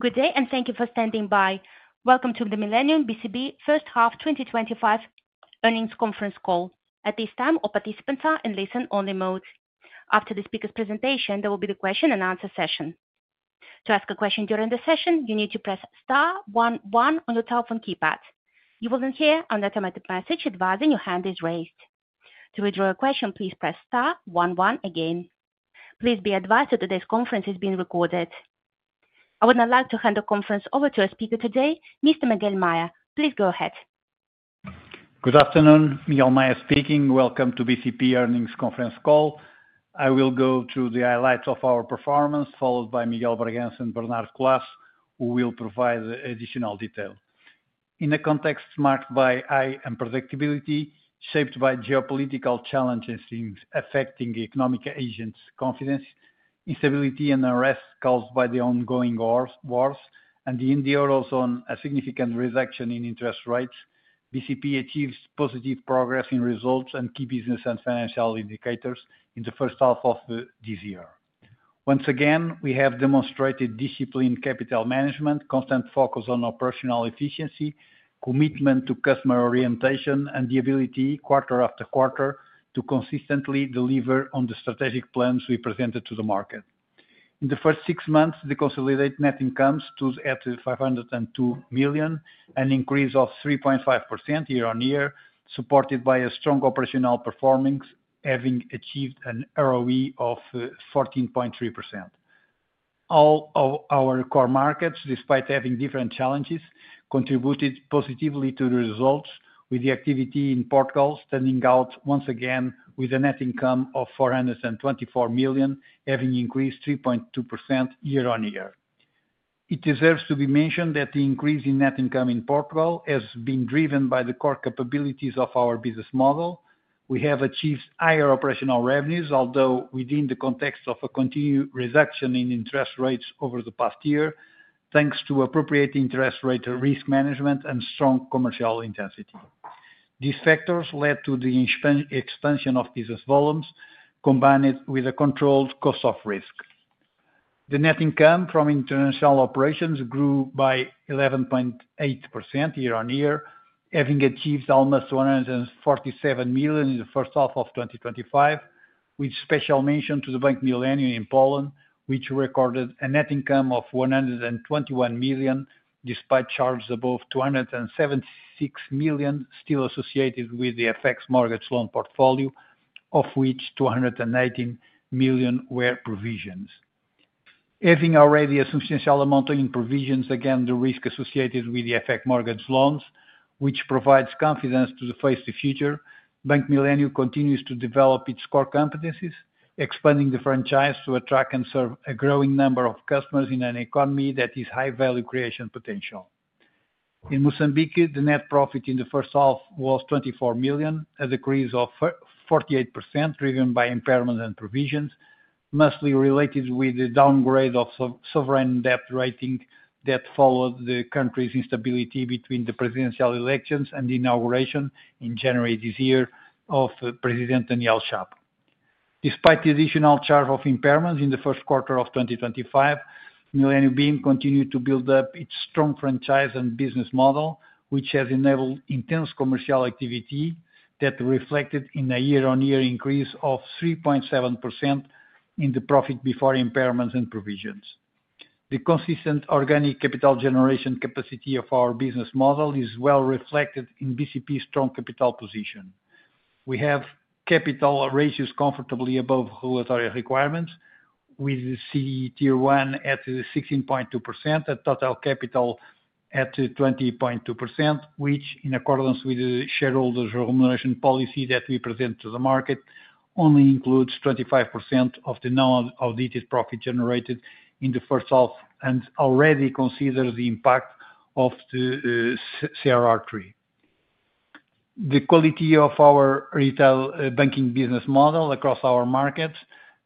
Good day, and thank you for standing by. Welcome to the Millennium BCP First Half 2025 Earnings Conference Call. At this time, all participants are in listen-only mode. After the speaker's presentation, there will be the question-and-answer session. To ask a question during the session, you need to press star one one on your telephone keypad. You will then hear an automatic message advising your hand is raised. To withdraw your question, please press star one one again. Please be advised that today's conference is being recorded. I would now like to hand the conference over to our speaker today, Mr. Miguel Maya. Please go ahead. Good afternoon, Miguel Maya speaking. Welcome to BCP Earnings Conference Call. I will go through the highlights of our performance, followed by Miguel de Bragança, who will provide additional detail. In a context marked by high unpredictability, shaped by geopolitical challenges affecting economic agents, confidence, instability, and unrest caused by the ongoing wars, and the Indo-Europe zone, a significant reduction in interest rates, BCP achieves positive progress in results and key business and financial indicators in the first half of this year. Once again, we have demonstrated disciplined capital management, constant focus on operational efficiency, commitment to customer orientation, and the ability, quarter after quarter, to consistently deliver on the strategic plans we presented to the market. In the first six months, the consolidated net income stood at 502 million, an increase of 3.5% year-on-year, supported by strong operational performance, having achieved an ROE of 14.3%. All of our core markets, despite having different challenges, contributed positively to the results, with the activity in Portugal standing out once again, with a net income of 424 million, having increased 3.2% year-on-year. It deserves to be mentioned that the increase in net income in Portugal has been driven by the core capabilities of our business model. We have achieved higher operational revenues, although within the context of a continued reduction in interest rates over the past year, thanks to appropriate interest rate risk management and strong commercial intensity. These factors led to the expansion of business volumes, combined with a controlled cost of risk. The net income from international operations grew by 11.8% year-on-year, having achieved almost 147 million in the first half of 2025, with special mention to Bank Millennium in Poland, which recorded a net income of 121 million, despite charges above 276 million still associated with the FX mortgage loan portfolio, of which 218 million were provisions. Having already a substantial amount in provisions, again, the risk associated with the FX mortgage loans, which provides confidence to face the future, Bank Millennium continues to develop its core competencies, expanding the franchise to attract and serve a growing number of customers in an economy that is high value creation potential. In Mozambique, the net profit in the first half was 24 million, a decrease of 48% driven by impairments and provisions, mostly related with the downgrade of sovereign debt rating that followed the country's instability between the presidential elections and the inauguration in January this year of President Daniel Chapo. Despite the additional charge of impairments in the first quarter of 2025, Millennium BIM continued to build up its strong franchise and business model, which has enabled intense commercial activity that reflected in a year-on-year increase of 3.7% in the profit before impairments and provisions. The consistent organic capital generation capacity of our business model is well reflected in BCP's strong capital position. We have capital ratios comfortably above regulatory requirements, with the CET1 ratio at 16.2%, a total capital at 20.2%, which, in accordance with the shareholders' remuneration policy that we present to the market, only includes 25% of the non-audited profit generated in the first half and already considers the impact of the CRR3. The quality of our retail banking business model across our markets,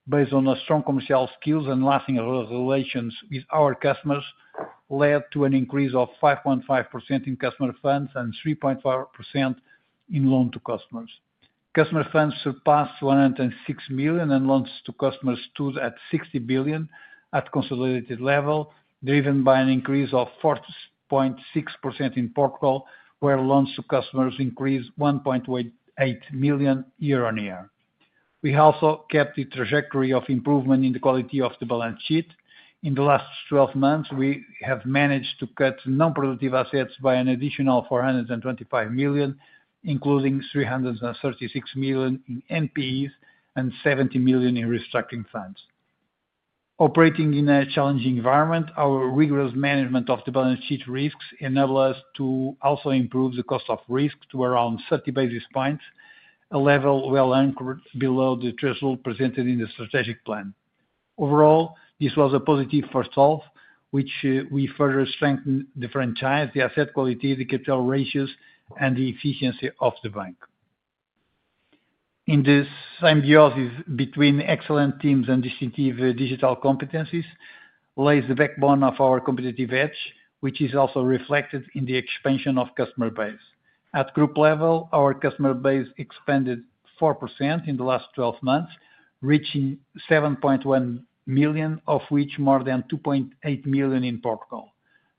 based on our strong commercial skills and lasting relations with our customers, led to an increase of 5.5% in customer funds and 3.5% in loans to customers. Customer funds surpassed 106 billion, and loans to customers stood at 60 billion at the consolidated level, driven by an increase of 4.6% in Portugal, where loans to customers increased 1.8 billion year-on-year. We also kept the trajectory of improvement in the quality of the balance sheet. In the last 12 months, we have managed to cut non-productive assets by an additional 425 million, including 336 million in NPEs and 70 million in restructuring funds. Operating in a challenging environment, our rigorous management of the balance sheet risks enabled us to also improve the cost of risk to around 30 basis points, a level well anchored below the threshold presented in the strategic plan. Overall, this was a positive first half, which we further strengthened the franchise, the asset quality, the capital ratios, and the efficiency of the bank. In the symbiosis between excellent teams and distinctive digital competencies lays the backbone of our competitive edge, which is also reflected in the expansion of customer base. At group level, our customer base expanded 4% in the last 12 months, reaching 7.1 million, of which more than 2.8 million in Portugal.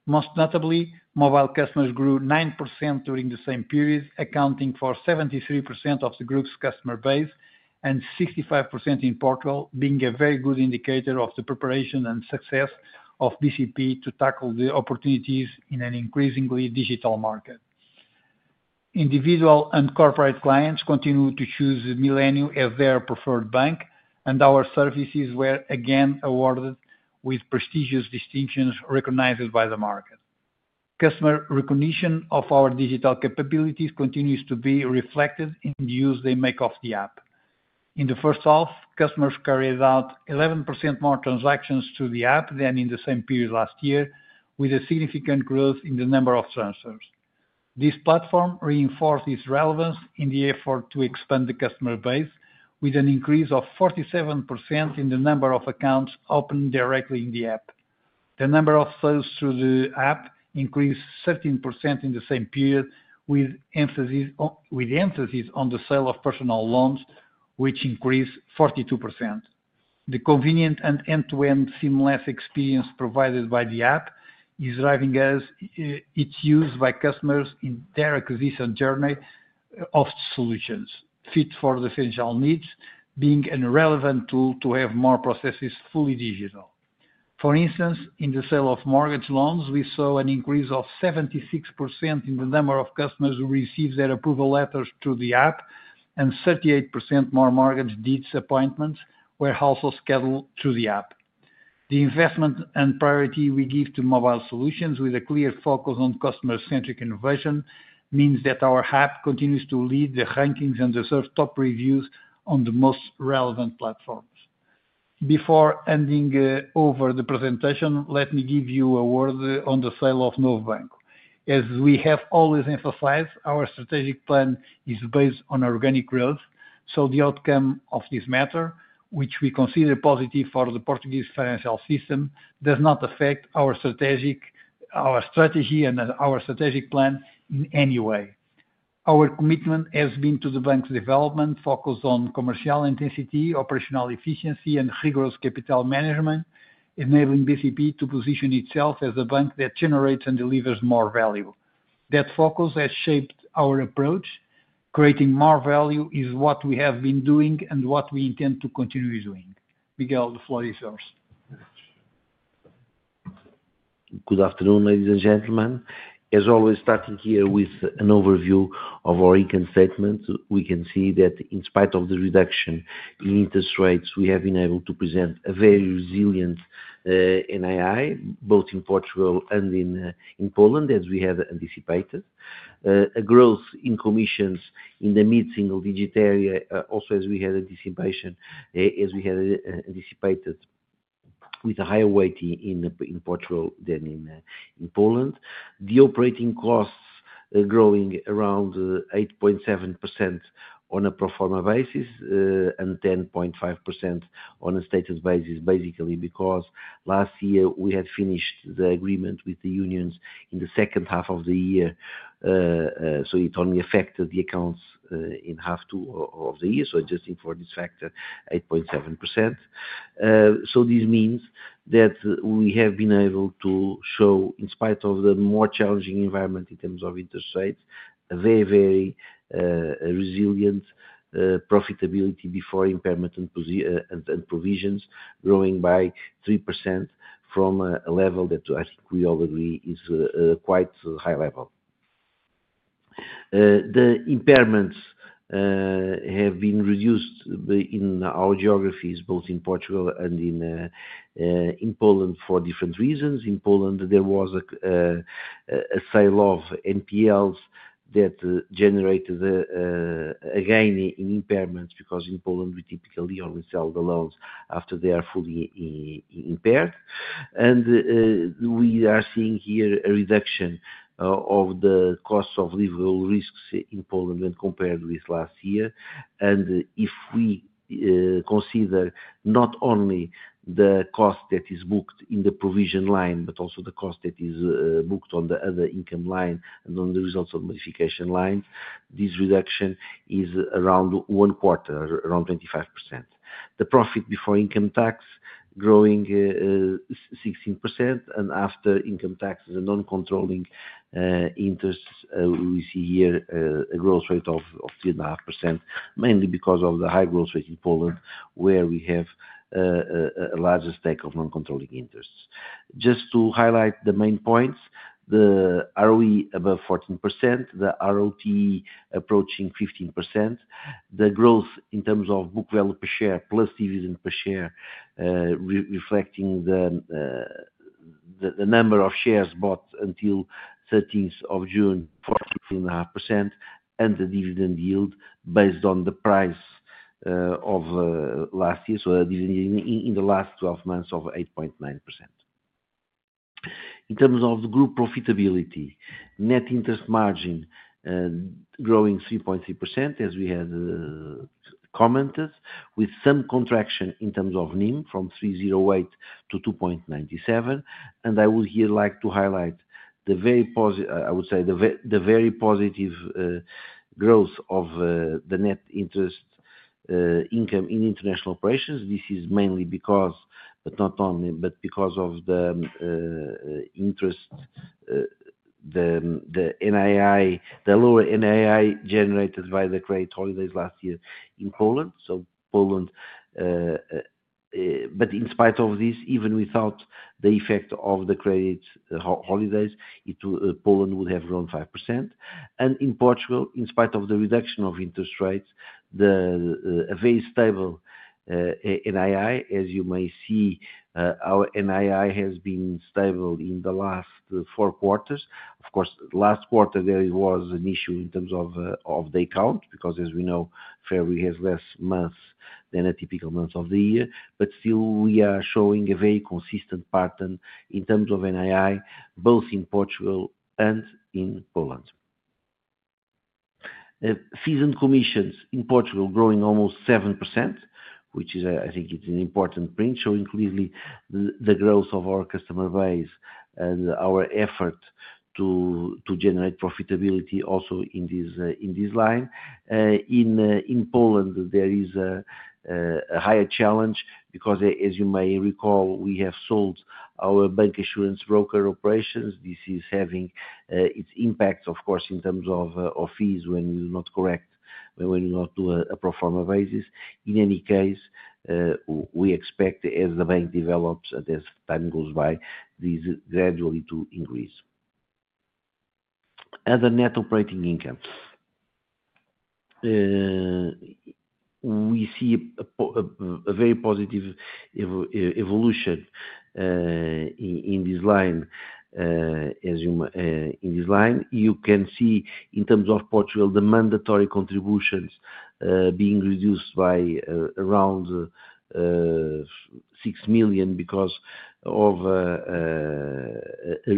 Most notably, mobile customers grew 9% during the same period, accounting for 73% of the group's customer base, and 65% in Portugal, being a very good indicator of the preparation and success of BCP to tackle the opportunities in an increasingly digital market. Individual and corporate clients continue to choose Millennium as their preferred bank, and our services were again awarded with prestigious distinctions recognized by the market. Customer recognition of our digital capabilities continues to be reflected in the use they make of the app. In the first half, customers carried out 11% more transactions through the app than in the same period last year, with a significant growth in the number of transfers. This platform reinforced its relevance in the effort to expand the customer base, with an increase of 47% in the number of accounts opened directly in the app. The number of sales through the app increased 13% in the same period, with emphasis on the sale of personal loans, which increased 42%. The convenient and end-to-end seamless experience provided by the app is driving us, its use by customers in their acquisition journey of solutions fit for the financial needs, being a relevant tool to have more processes fully digital. For instance, in the sale of mortgage loans, we saw an increase of 76% in the number of customers who received their approval letters through the app, and 38% more mortgage deeds appointments were also scheduled through the app. The investment and priority we give to mobile solutions, with a clear focus on customer-centric innovation, means that our app continues to lead the rankings and deserve top reviews on the most relevant platforms. Before handing over the presentation, let me give you a word on the sale of Novo Banco. As we have always emphasized, our strategic plan is based on organic growth, so the outcome of this matter, which we consider positive for the Portuguese financial system, does not affect our strategy and our strategic plan in any way. Our commitment has been to the bank's development, focused on commercial intensity, operational efficiency, and rigorous capital management, enabling BCP to position itself as a bank that generates and delivers more value. That focus has shaped our approach. Creating more value is what we have been doing and what we intend to continue doing. Miguel, it is yours. Good afternoon, ladies and gentlemen. As always, starting here with an overview of our income statement, we can see that in spite of the reduction in interest rates, we have been able to present a very resilient NII, both in Portugal and in Poland, as we had anticipated. A growth in commissions in the mid-single-digit area, also as we had anticipated, with a higher weight in Portugal than in Poland. The operating costs are growing around 8.7% on a pro forma basis and 10.5% on a stated basis, basically because last year we had finished the agreement with the unions in the second half of the year, so it only affected the accounts in half of the year. Adjusting for this factor, 8.7%. This means that we have been able to show, in spite of the more challenging environment in terms of interest rates, a very, very resilient profitability before impairments and provisions, growing by 3% from a level that I think we all agree is quite a high level. The impairments have been reduced in our geographies, both in Portugal and in Poland, for different reasons. In Poland, there was a sale of NPLs that generated a gain in impairments because in Poland, we typically only sell the loans after they are fully impaired. We are seeing here a reduction of the cost of livable risks in Poland when compared with last year. If we consider not only the cost that is booked in the provision line, but also the cost that is booked on the other income line and on the results of modification lines, this reduction is around one quarter, around 25%. The profit before income tax is growing 16%, and after income tax and non-controlling interests, we see here a growth rate of 3.5%, mainly because of the high growth rate in Poland, where we have a large stack of non-controlling interests. Just to highlight the main points, the ROE above 14%, the ROTE approaching 15%, the growth in terms of book value per share plus dividend per share reflecting the number of shares bought until 13th of June, 14.5%, and the dividend yield based on the price of last year, so the dividend yield in the last 12 months of 8.9%. In terms of the group profitability, net interest margin growing 3.3%, as we had commented, with some contraction in terms of NIM from 3.08%-2.97%. I would here like to highlight the very positive, I would say the very positive growth of the net interest income in international operations. This is mainly because, but not only, but because of the interest. The lower NII generated by the credit holidays last year in Poland. In spite of this, even without the effect of the credit holidays, Poland would have grown 5%. In Portugal, in spite of the reduction of interest rates, a very stable NII, as you may see. Our NII has been stable in the last four quarters. Of course, last quarter, there was an issue in terms of day count because, as we know, February has less days than a typical month of the year. Still, we are showing a very consistent pattern in terms of NII, both in Portugal and in Poland. Fees and commissions in Portugal growing almost 7%, which I think is an important print, showing clearly the growth of our customer base and our effort to generate profitability also in this line. In Poland, there is a higher challenge because, as you may recall, we have sold our bancassurance broker operations. This is having its impact, of course, in terms of fees when we do not correct, when we do not do a pro forma basis. In any case, we expect, as the bank develops and as time goes by, these gradually to increase. Other net operating income, we see a very positive evolution in this line. In this line, you can see in terms of Portugal, the mandatory contributions being reduced by around 6 million because of a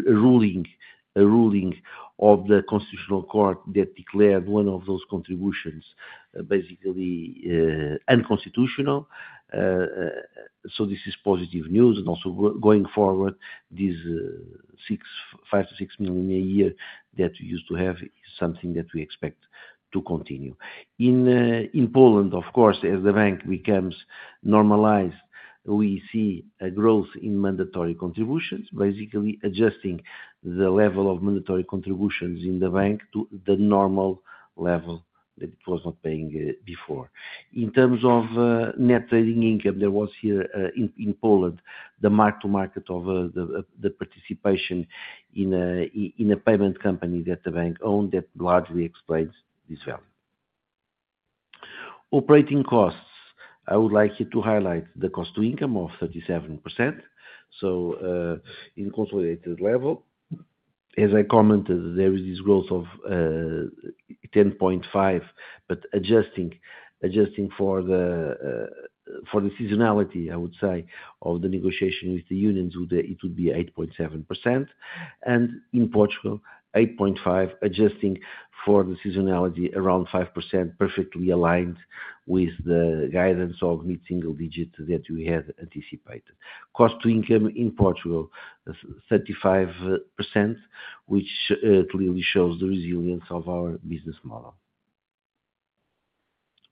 ruling of the Constitutional Court that declared one of those contributions basically unconstitutional. This is positive news. Also going forward, these 5 million-6 million a year that we used to have is something that we expect to continue. In Poland, as the bank becomes normalized, we see a growth in mandatory contributions, basically adjusting the level of mandatory contributions in the bank to the normal level that it was not paying before. In terms of net trading income, there was here in Poland, the mark-to-market of the participation in a payment company that the bank owned that largely exploits this value. Operating costs, I would like you to highlight the cost-to-income of 37%. At the consolidated level, as I commented, there is this growth of 10.5%, but adjusting for the seasonality, I would say, of the negotiation with the unions, it would be 8.7%. In Portugal, 8.5%, adjusting for the seasonality around 5%, perfectly aligned with the guidance of mid-single digit that we had anticipated. Cost-to-income in Portugal, 35%, which clearly shows the resilience of our business model.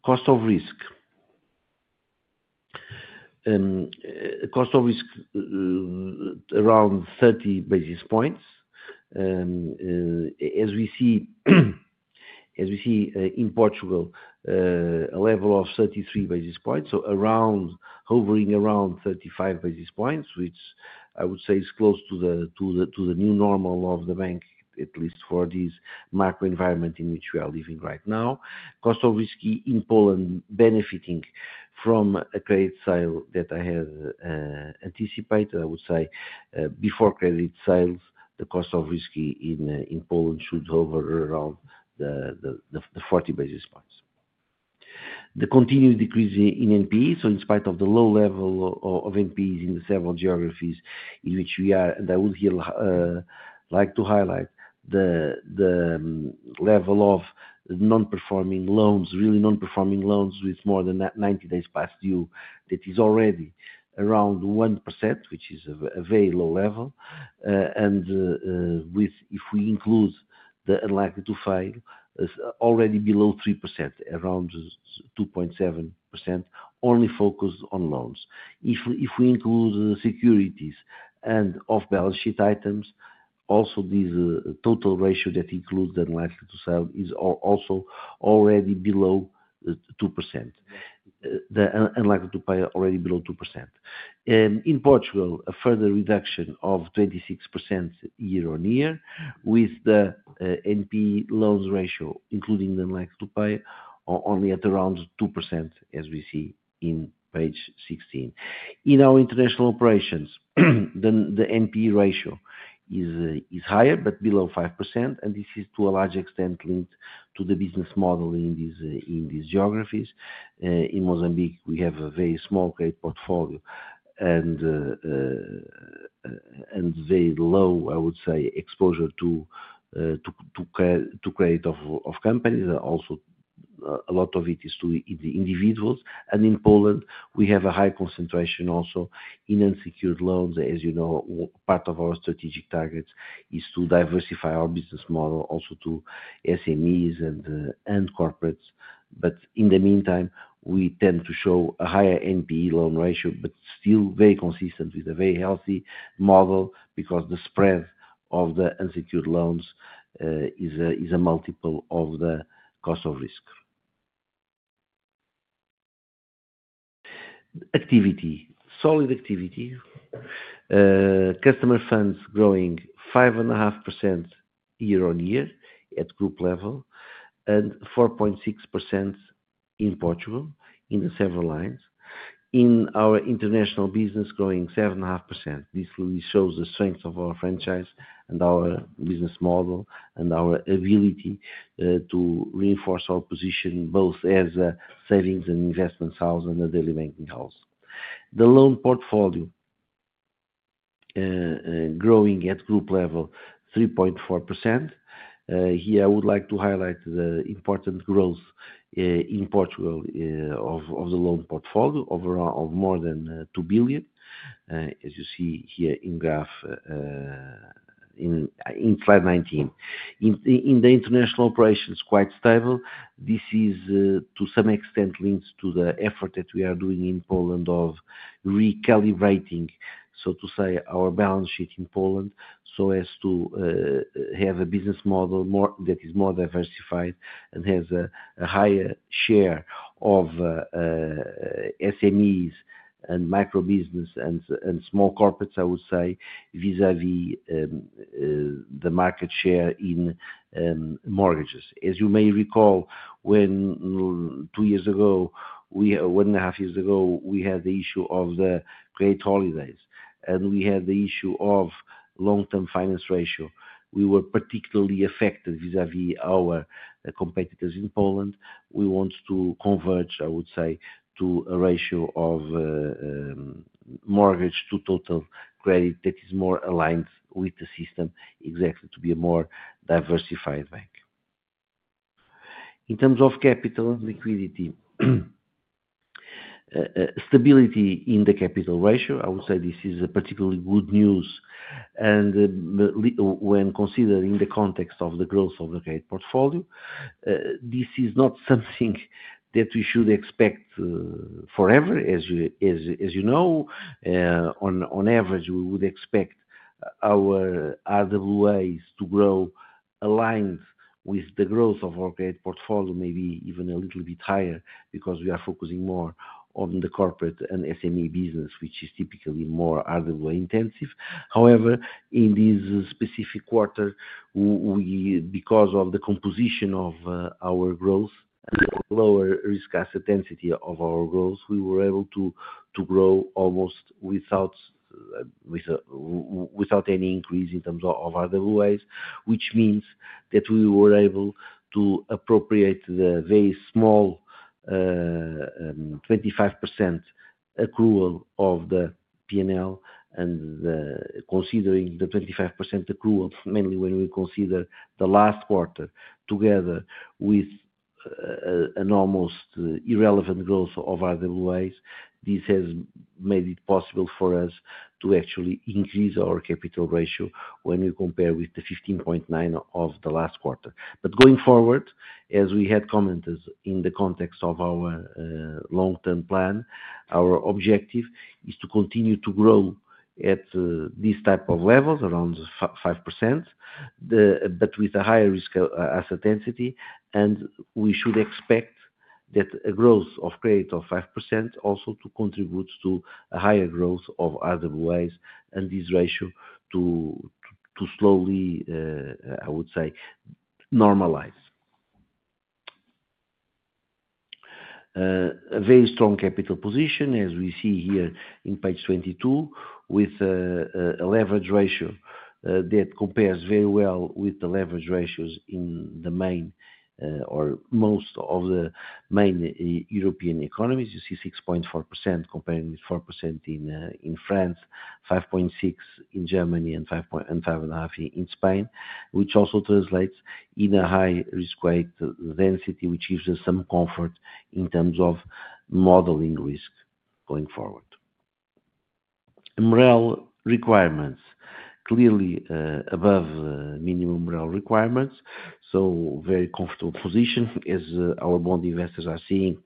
Cost of risk, cost of risk around 30 basis points, as we see. In Portugal, a level of 33 basis points, so hovering around 35 basis points, which I would say is close to the new normal of the bank, at least for this macro environment in which we are living right now. Cost of risk in Poland benefiting from a credit sale that I had anticipated. I would say before credit sales, the cost of risk in Poland should hover around the 40 basis points. The continued decrease in NPE, so in spite of the low level of NPEs in the several geographies in which we are, I would here like to highlight the level of non-performing loans, really non-performing loans with more than 90 days past due, that is already around 1%, which is a very low level. If we include the unlikely to pay, already below 3%, around 2.7%, only focused on loans. If we include securities and off-balance sheet items, also this total ratio that includes the unlikely to pay is also already below 2%. The unlikely to pay already below 2%. In Portugal, a further reduction of 26% year-on-year, with the NPE loans ratio, including the unlikely to pay, only at around 2%, as we see in page 16. In our international operations, the NPE ratio is higher, but below 5%, and this is to a large extent linked to the business model in these geographies. In Mozambique, we have a very small credit portfolio and very low, I would say, exposure to credit of companies. Also, a lot of it is to individuals. In Poland, we have a high concentration also in unsecured loans. As you know, part of our strategic targets is to diversify our business model also to SMEs and corporates. In the meantime, we tend to show a higher NPE loan ratio, but still very consistent with a very healthy model because the spread of the unsecured loans is a multiple of the cost of risk. Activity, solid activity. Customer funds growing 5.5% year-on-year at group level, and 4.6% in Portugal in the several lines. In our international business, growing 7.5%. This really shows the strength of our franchise and our business model and our ability to reinforce our position both as a savings and investment house and a daily banking house. The loan portfolio growing at group level, 3.4%. Here, I would like to highlight the important growth in Portugal of the loan portfolio, overall of more than 2 billion, as you see here in graph in slide 19. In the international operations, quite stable. This is to some extent linked to the effort that we are doing in Poland of. Recalibrating, so to say, our balance sheet in Poland so as to have a business model that is more diversified and has a higher share of SMEs and microbusiness and small corporates, I would say, vis-à-vis the market share in mortgages. As you may recall, two years ago, one and a half years ago, we had the issue of the great holidays, and we had the issue of long-term finance ratio. We were particularly affected vis-à-vis our competitors in Poland. We want to converge, I would say, to a ratio of mortgage to total credit that is more aligned with the system, exactly to be a more diversified bank. In terms of capital liquidity, stability in the capital ratio, I would say this is particularly good news. When considering the context of the growth of the credit portfolio, this is not something that we should expect forever. As you know, on average, we would expect our RWAs to grow aligned with the growth of our credit portfolio, maybe even a little bit higher, because we are focusing more on the corporate and SME business, which is typically more RWA intensive. However, in this specific quarter, because of the composition of our growth and lower risk asset density of our growth, we were able to grow almost without any increase in terms of RWAs, which means that we were able to appropriate the very small 25% accrual of the P&L. Considering the 25% accrual, mainly when we consider the last quarter together with an almost irrelevant growth of RWAs, this has made it possible for us to actually increase our capital ratio when we compare with the 15.9% of the last quarter. Going forward, as we had commented in the context of our long-term plan, our objective is to continue to grow at this type of levels, around 5%, but with a higher risk asset density. We should expect that a growth of credit of 5% also to contribute to a higher growth of RWAs and this ratio to slowly, I would say, normalize. A very strong capital position, as we see here in page 22, with a leverage ratio that compares very well with the leverage ratios in the main or most of the main European economies. You see 6.4% comparing with 4% in France, 5.6% in Germany, and 5.5% in Spain, which also translates in a high risk weight density, which gives us some comfort in terms of modeling risk going forward. Morale requirements, clearly above minimum morale requirements. Very comfortable position, as our bond investors are seeing.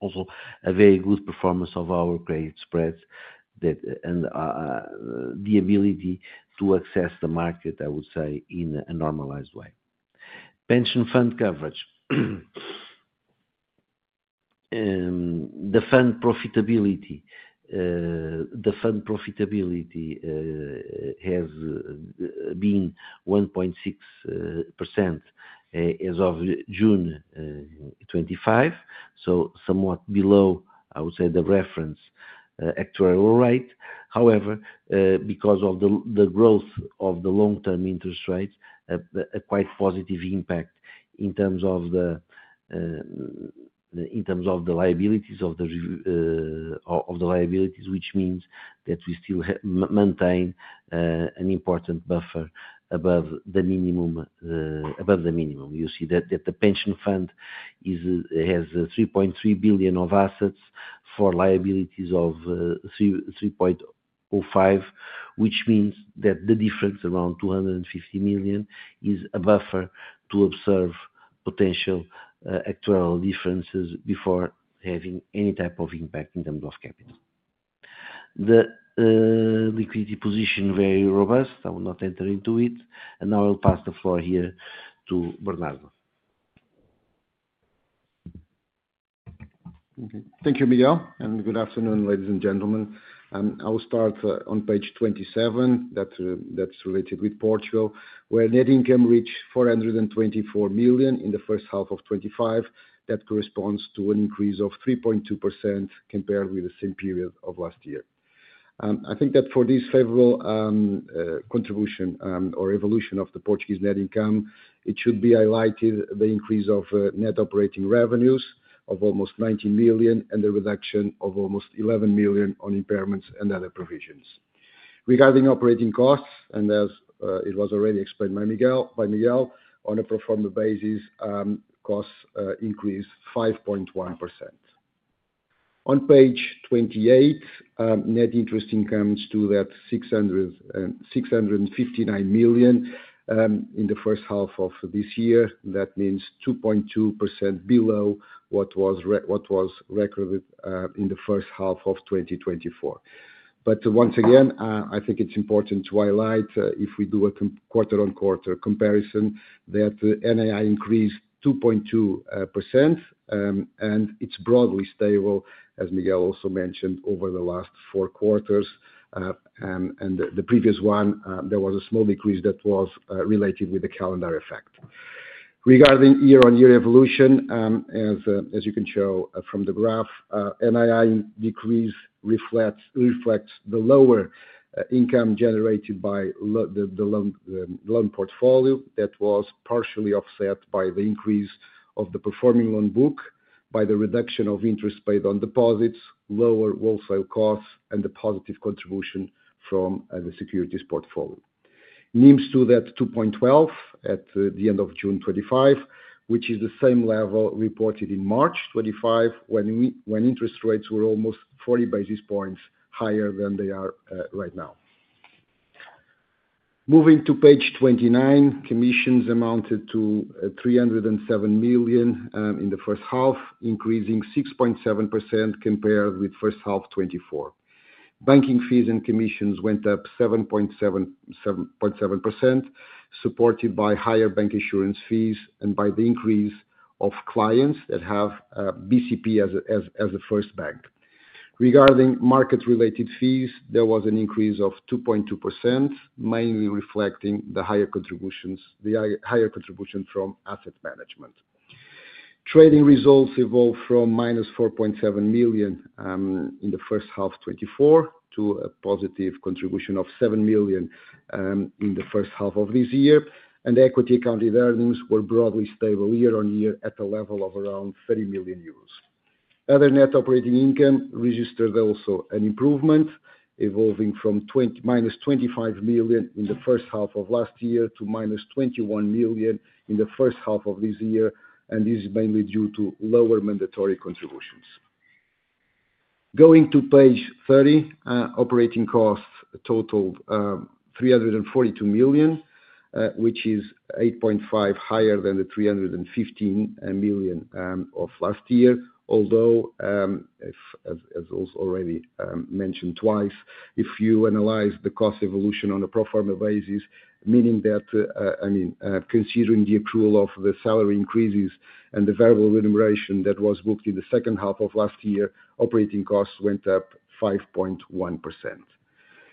Also a very good performance of our credit spreads. The ability to access the market, I would say, in a normalized way. Pension fund coverage. The fund profitability has been 1.6% as of June 2025, so somewhat below, I would say, the reference actual rate. However, because of the growth of the long-term interest rates, a quite positive impact in terms of the liabilities of the liabilities, which means that we still maintain an important buffer above the minimum. You see that the pension fund has 3.3 billion of assets for liabilities of 3.05 billion, which means that the difference around 250 million is a buffer to observe potential actual differences before having any type of impact in terms of capital. The liquidity position is very robust. I will not enter into it. Now I'll pass the floor here to Bernardo. Thank you, Miguel. Good afternoon, ladies and gentlemen. I will start on page 27 that's related with Portugal, where net income reached 424 million in the first half of 2025. That corresponds to an increase of 3.2% compared with the same period of last year. I think that for this favourable contribution or evolution of the Portuguese net income, it should be highlighted the increase of net operating revenues of almost 19 million and the reduction of almost 11 million on impairments and other provisions. Regarding operating costs, and as it was already explained by Miguel, on a pro forma basis, costs increased 5.1%. On page 28, net interest income stood at 659 million in the first half of this year. That means 2.2% below what was recorded in the first half of 2024. I think it's important to highlight, if we do a quarter-on-quarter comparison, that NII increased 2.2% and it's broadly stable, as Miguel also mentioned, over the last four quarters. In the previous one, there was a small decrease that was related with the calendar effect. Regarding year-on-year evolution, as you can show from the graph, NII decrease reflects the lower income generated by the loan portfolio that was partially offset by the increase of the performing loan book, by the reduction of interest paid on deposits, lower wholesale costs, and the positive contribution from the securities portfolio. NIM stood at 2.12% at the end of June 2025, which is the same level reported in March 2025 when interest rates were almost 40 basis points higher than they are right now. Moving to page 29, commissions amounted to 307 million in the first half, increasing 6.7% compared with first half 2024. Banking fees and commissions went up 7.7%, supported by higher bank insurance fees and by the increase of clients that have BCP as a first bank. Regarding market-related fees, there was an increase of 2.2%, mainly reflecting the higher contributions from asset management. Trading results evolved from minus 4.7 million in the first half 2024 to a positive contribution of 7 million in the first half of this year. Equity accounted earnings were broadly stable year-on-year at a level of around 30 million euros. Other net operating income registered also an improvement, evolving from minus 25 million in the first half of last year to minus 21 million in the first half of this year. This is mainly due to lower mandatory contributions. Going to page 30, operating costs total 342 million, which is 8.5% higher than the 315 million of last year. Although, as was already mentioned twice, if you analyze the cost evolution on a pro forma basis, meaning that, I mean, considering the accrual of the salary increases and the variable remuneration that was booked in the second half of last year, operating costs went up 5.1%.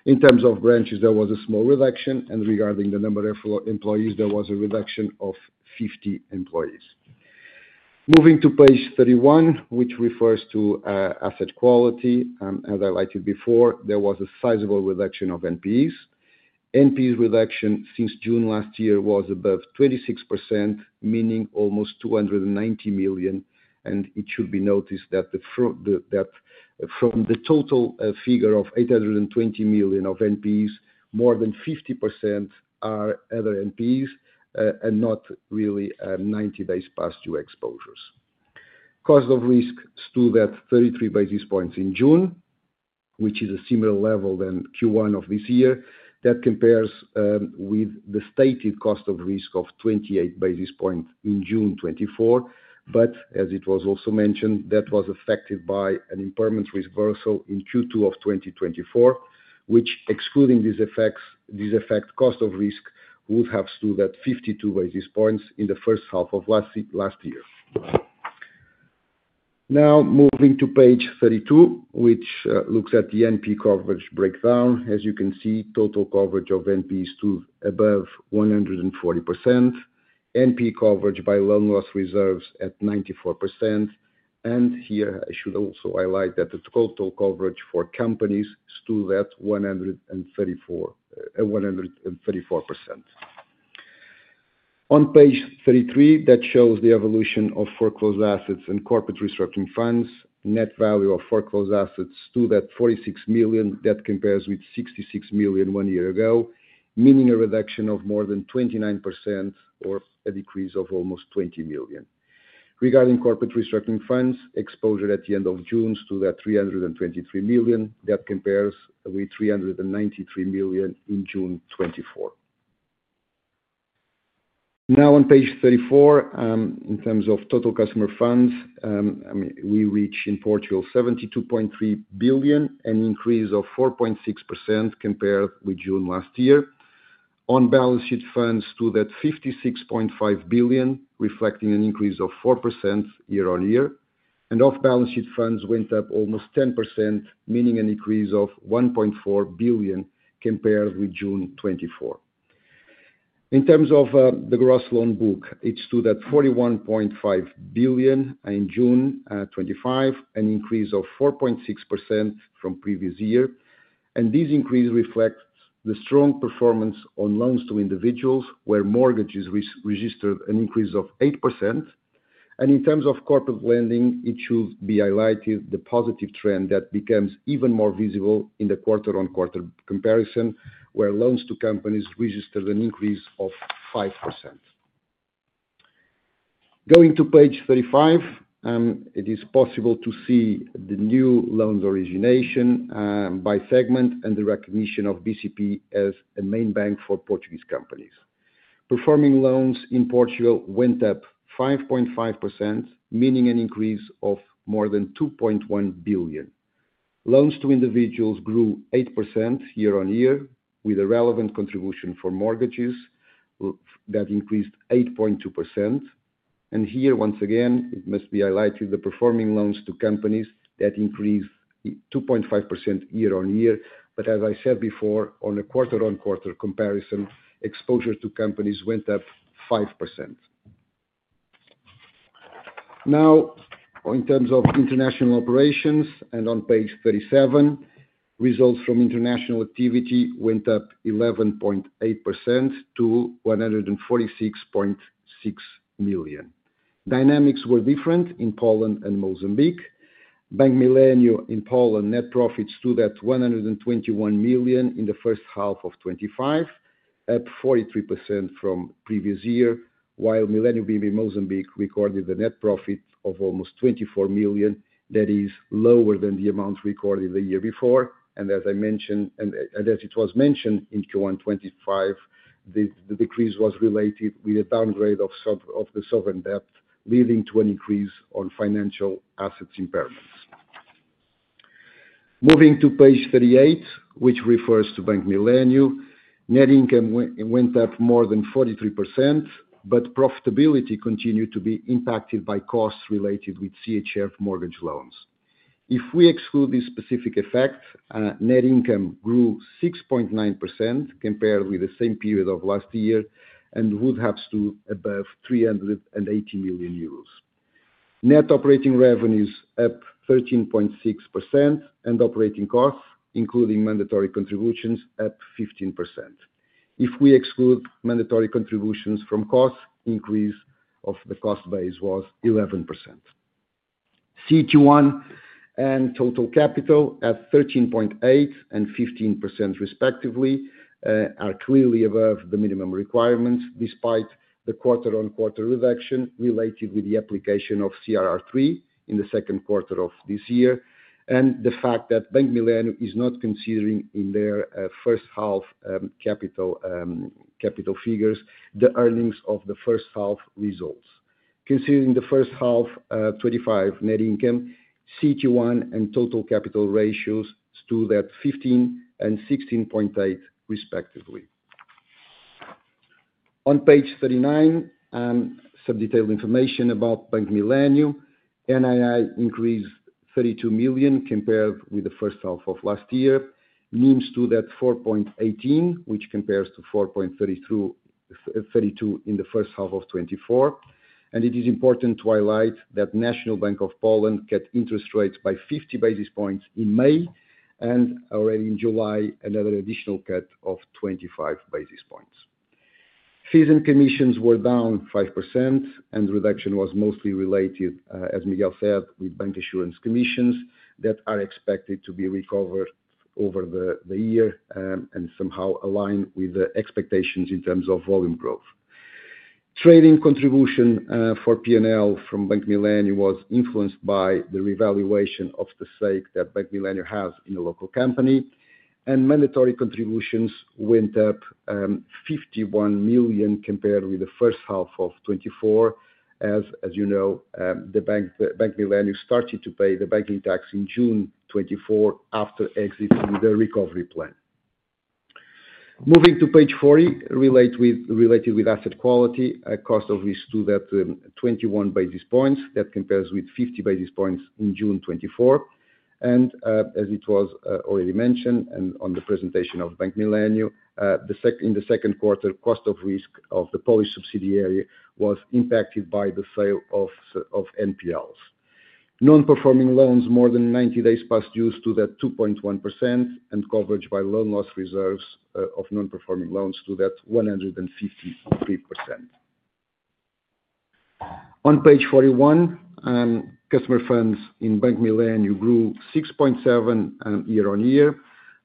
In terms of branches, there was a small reduction. Regarding the number of employees, there was a reduction of 50 employees. Moving to page 31, which refers to asset quality, as I liked it before, there was a sizable reduction of NPEs. NPE reduction since June last year was above 26%, meaning almost 290 million. It should be noticed that from the total figure of 820 million of NPEs, more than 50% are other NPEs and not really 90 days past due exposures. Cost of risk stood at 33 basis points in June, which is a similar level to Q1 of this year. That compares with the stated cost of risk of 28 basis points in June 2024. As it was also mentioned, that was affected by an impairment reversal in Q2 of 2024, which, excluding these effects, cost of risk would have stood at 52 basis points in the first half of last year. Now, moving to page 32, which looks at the NP coverage breakdown. As you can see, total coverage of NPEs stood above 140%. NP coverage by loan loss reserves at 94%. Here, I should also highlight that the total coverage for companies stood at 134%. On page 33, that shows the evolution of foreclosed assets and corporate restructuring funds. Net value of foreclosed assets stood at 46 million. That compares with 66 million one year ago, meaning a reduction of more than 29% or a decrease of almost 20 million. Regarding corporate restructuring funds, exposure at the end of June stood at 323 million. That compares with 393 million in June 2024. Now, on page 34, in terms of total customer funds, we reach in Portugal 72.3 billion, an increase of 4.6% compared with June last year. On-balance sheet funds stood at 56.5 billion, reflecting an increase of 4% year-on-year. Off-balance sheet funds went up almost 10%, meaning an increase of 1.4 billion compared with June 2024. In terms of the gross loan book, it stood at 41.5 billion in June 2025, an increase of 4.6% from previous year. This increase reflects the strong performance on loans to individuals, where mortgages registered an increase of 8%. In terms of corporate lending, it should be highlighted the positive trend that becomes even more visible in the quarter-on-quarter comparison, where loans to companies registered an increase of 5%. Going to page 35, it is possible to see the new loan origination by segment and the recognition of bcp as a main bank for Portuguese companies. Performing loans in Portugal went up 5.5%, meaning an increase of more than 2.1 billion. Loans to individuals grew 8% year-on-year, with a relevant contribution for mortgages that increased 8.2%. Here, once again, it must be highlighted the performing loans to companies that increased 2.5% year-on-year. As I said before, on a quarter-on-quarter comparison, exposure to companies went up 5%. In terms of international operations, and on page 37, results from international activity went up 11.8% to 146.6 million. Dynamics were different in Poland and Mozambique. Bank Millennium in Poland, net profit stood at 121 million in the first half of 2025, up 43% from previous year, while Millennium BIM Mozambique recorded the net profit of almost 24 million. That is lower than the amount recorded the year before. As I mentioned, and as it was mentioned in Q1 2025, the decrease was related with a downgrade of the sovereign debt, leading to an increase on financial assets impairments. Moving to page 38, which refers to Bank Millennium, net income went up more than 43%, but profitability continued to be impacted by costs related with FX mortgage loan portfolio. If we exclude this specific effect, net income grew 6.9% compared with the same period of last year and would have stood above 380 million euros. Net operating revenues up 13.6%, and operating costs, including mandatory contributions, up 15%. If we exclude mandatory contributions from costs, the increase of the cost base was 11%. CET1 and total capital at 13.8% and 15%, respectively, are clearly above the minimum requirements, despite the quarter-on-quarter reduction related with the application of CRR3 in the second quarter of this year. The fact that Bank Millennium is not considering in their first half capital figures the earnings of the first half results. Considering the first half 2025 net income, CET1 and total capital ratios stood at 15% and 16.8%, respectively. On page 39, some detailed information about Bank Millennium. Net interest income increased 32 million compared with the first half of last year. NIM stood at 4.18%, which compares to 4.32% in the first half of 2024. It is important to highlight that National Bank of Poland cut interest rates by 50 basis points in May, and already in July, another additional cut of 25 basis points. Fees and commissions were down 5%, and the reduction was mostly related, as Miguel said, with bank insurance commissions that are expected to be recovered over the year and somehow align with the expectations in terms of volume growth. Trading contribution for P&L from Bank Millennium was influenced by the revaluation of the SAIC that Bank Millennium has in a local company. Mandatory contributions went up 51 million compared with the first half of 2024. As you know, Bank Millennium started to pay the banking tax in June 2024 after exiting the recovery plan. Moving to page 40, related with asset quality, cost of risk stood at 21 basis points. That compares with 50 basis points in June 2024. As it was already mentioned on the presentation of Bank Millennium, in the second quarter, cost of risk of the Polish subsidiary was impacted by the sale of NPLs. Non-performing loans more than 90 days past due stood at 2.1%, and coverage by loan loss reserves of non-performing loans stood at 153%. On page 41, customer funds in Bank Millennium grew 6.7% year-on-year.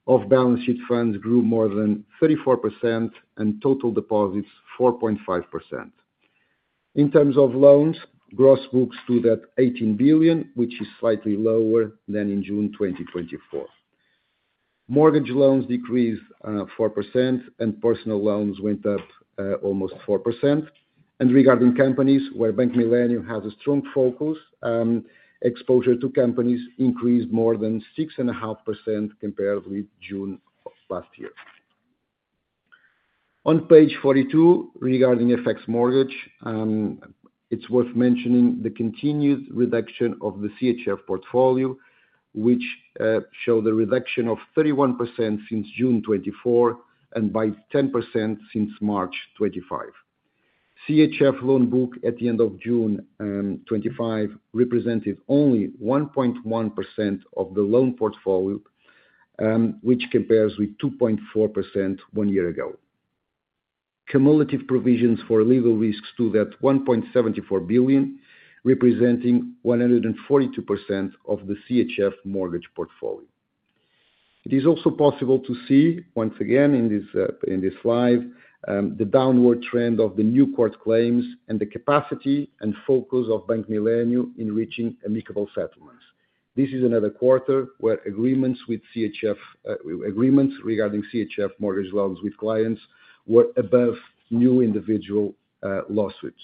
Off-balance sheet funds grew more than 34%, and total deposits 4.5%. In terms of loans, gross books stood at 18 billion, which is slightly lower than in June 2024. Mortgage loans decreased 4%, and personal loans went up almost 4%. Regarding companies, where Bank Millennium has a strong focus, exposure to companies increased more than 6.5% compared with June last year. On page 42, regarding FX mortgage. It's worth mentioning the continued reduction of the CHF portfolio, which showed a reduction of 31% since June 2024 and by 10% since March 2025. The CHF loan book at the end of June 2025 represented only 1.1% of the loan portfolio, which compares with 2.4% one year ago. Cumulative provisions for legal risks stood at 1.74 billion, representing 142% of the CHF mortgage portfolio. It is also possible to see, once again in this slide, the downward trend of the new court claims and the capacity and focus of Bank Millennium in reaching amicable settlements. This is another quarter where agreements with CHF mortgage loans with clients were above new individual lawsuits.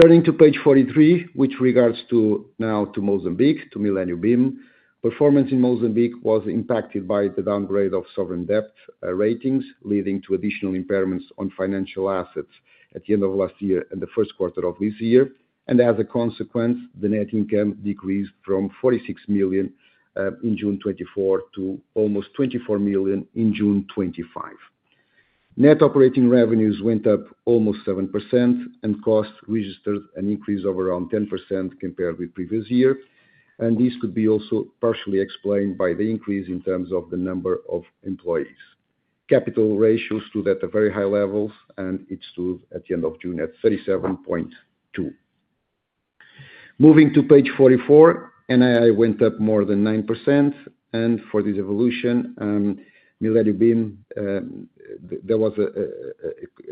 Turning to page 43, which regards now to Mozambique, to Millennium BIM. Performance in Mozambique was impacted by the downgrade of sovereign debt ratings, leading to additional impairments on financial assets at the end of last year and the first quarter of this year. As a consequence, the net income decreased from 46 million in June 2024 to almost 24 million in June 2025. Net operating revenues went up almost 7%, and costs registered an increase of around 10% compared with the previous year. This could be also partially explained by the increase in terms of the number of employees. Capital ratios stood at a very high level, and it stood at the end of June at 37.2%. Moving to page 44, NII went up more than 9%. For this evolution, Millennium BIM had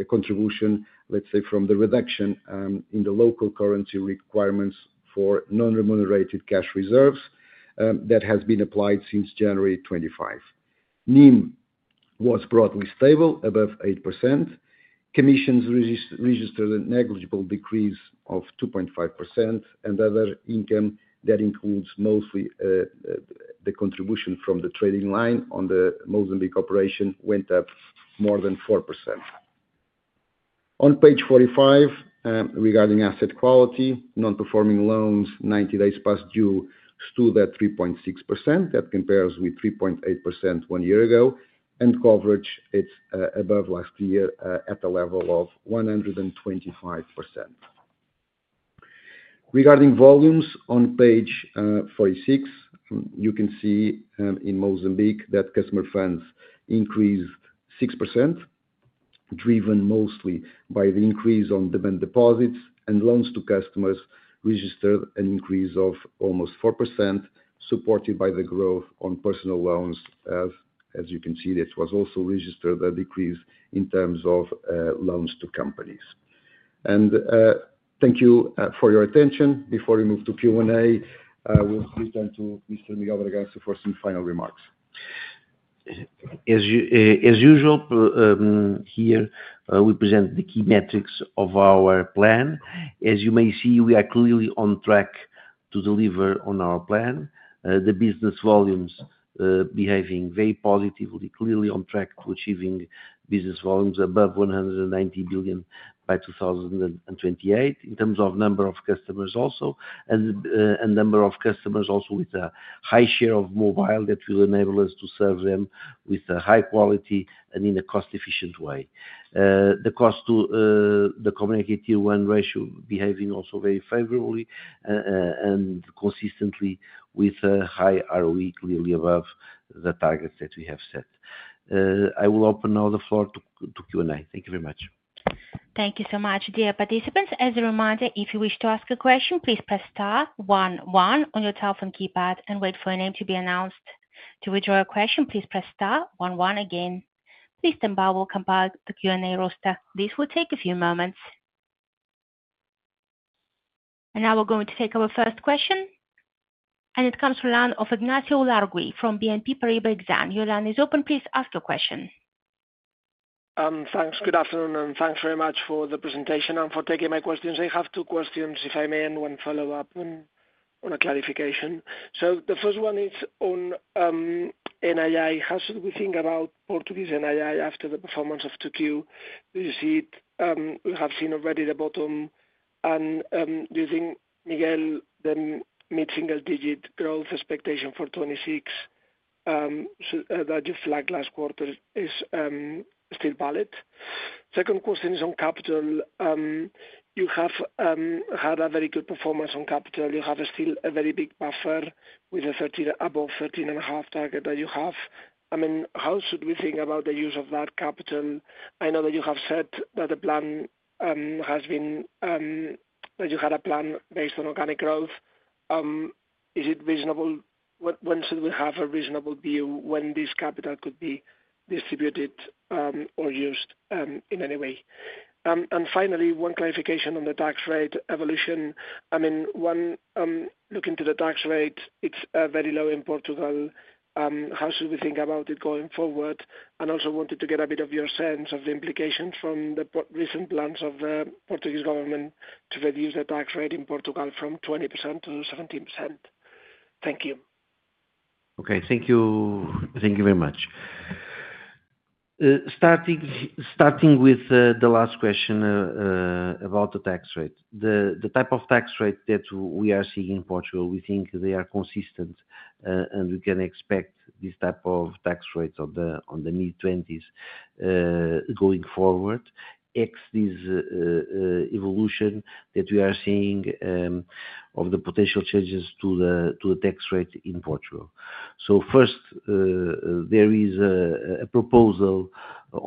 a contribution, let's say, from the reduction in the local currency requirements for non-remunerated cash reserves that has been applied since January 2025. NIM was broadly stable, above 8%. Commissions registered a negligible decrease of 2.5%, and other income that includes mostly the contribution from the trading line on the Mozambique operation went up more than 4%. On page 45, regarding asset quality, non-performing loans 90 days past due stood at 3.6%. That compares with 3.8% one year ago, and coverage is above last year at a level of 125%. Regarding volumes, on page 46, you can see in Mozambique that customer funds increased 6%, driven mostly by the increase on demand deposits, and loans to customers registered an increase of almost 4%, supported by the growth on personal loans. As you can see, it was also registered a decrease in terms of loans to companies. Thank you for your attention. Before we move to Q&A, we'll return to Mr. Miguel de Bragança for some final remarks. As usual, here we present the key metrics of our plan. As you may see, we are clearly on track to deliver on our plan. The business volumes behaving very positively, clearly on track to achieving business volumes above 190 billion by 2028, in terms of number of customers also, and a number of customers also with a high share of mobile that will enable us to serve them with a high quality and in a cost-efficient way. The cost-to-income ratio and the CET1 ratio behaving also very favorably. Consistently with a high ROE, clearly above the targets that we have set. I will open now the floor to Q&A. Thank you very much. Thank you so much. Dear participants, as a reminder, if you wish to ask a question, please press star one one on your telephone keypad and wait for your name to be announced. To withdraw a question, please press star one one again. Please then bow or compile the Q&A roster. This will take a few moments. Now we're going to take our first question. It comes from Ignacio Ulargui from BNP Paribas Exane. Your line is open. Please ask your question. Thanks. Good afternoon, and thanks very much for the presentation and for taking my questions. I have two questions, if I may, and one follow-up on a clarification. The first one is on NII. How should we think about Portuguese NII after the performance of Q2? Do you see it? We have seen already the bottom. Do you think, Miguel, the mid-single-digit growth expectation for 2026 that you flagged last quarter is still valid? Second question is on capital. You have had a very good performance on capital. You have still a very big buffer above the 13.5% target that you have. How should we think about the use of that capital? I know that you have said that the plan has been that you had a plan based on organic growth. Is it reasonable? When should we have a reasonable view when this capital could be distributed or used in any way? Finally, one clarification on the tax rate evolution. When looking to the tax rate, it's very low in Portugal. How should we think about it going forward? I also wanted to get a bit of your sense of the implications from the recent plans of the Portuguese government to reduce the tax rate in Portugal from 20% to 17%. Thank you. Thank you very much. Starting with the last question about the tax rate. The type of tax rate that we are seeing in Portugal, we think they are consistent, and we can expect this type of tax rate on the mid-20%s going forward, ex this. Evolution that we are seeing of the potential changes to the tax rate in Portugal. First, there is a proposal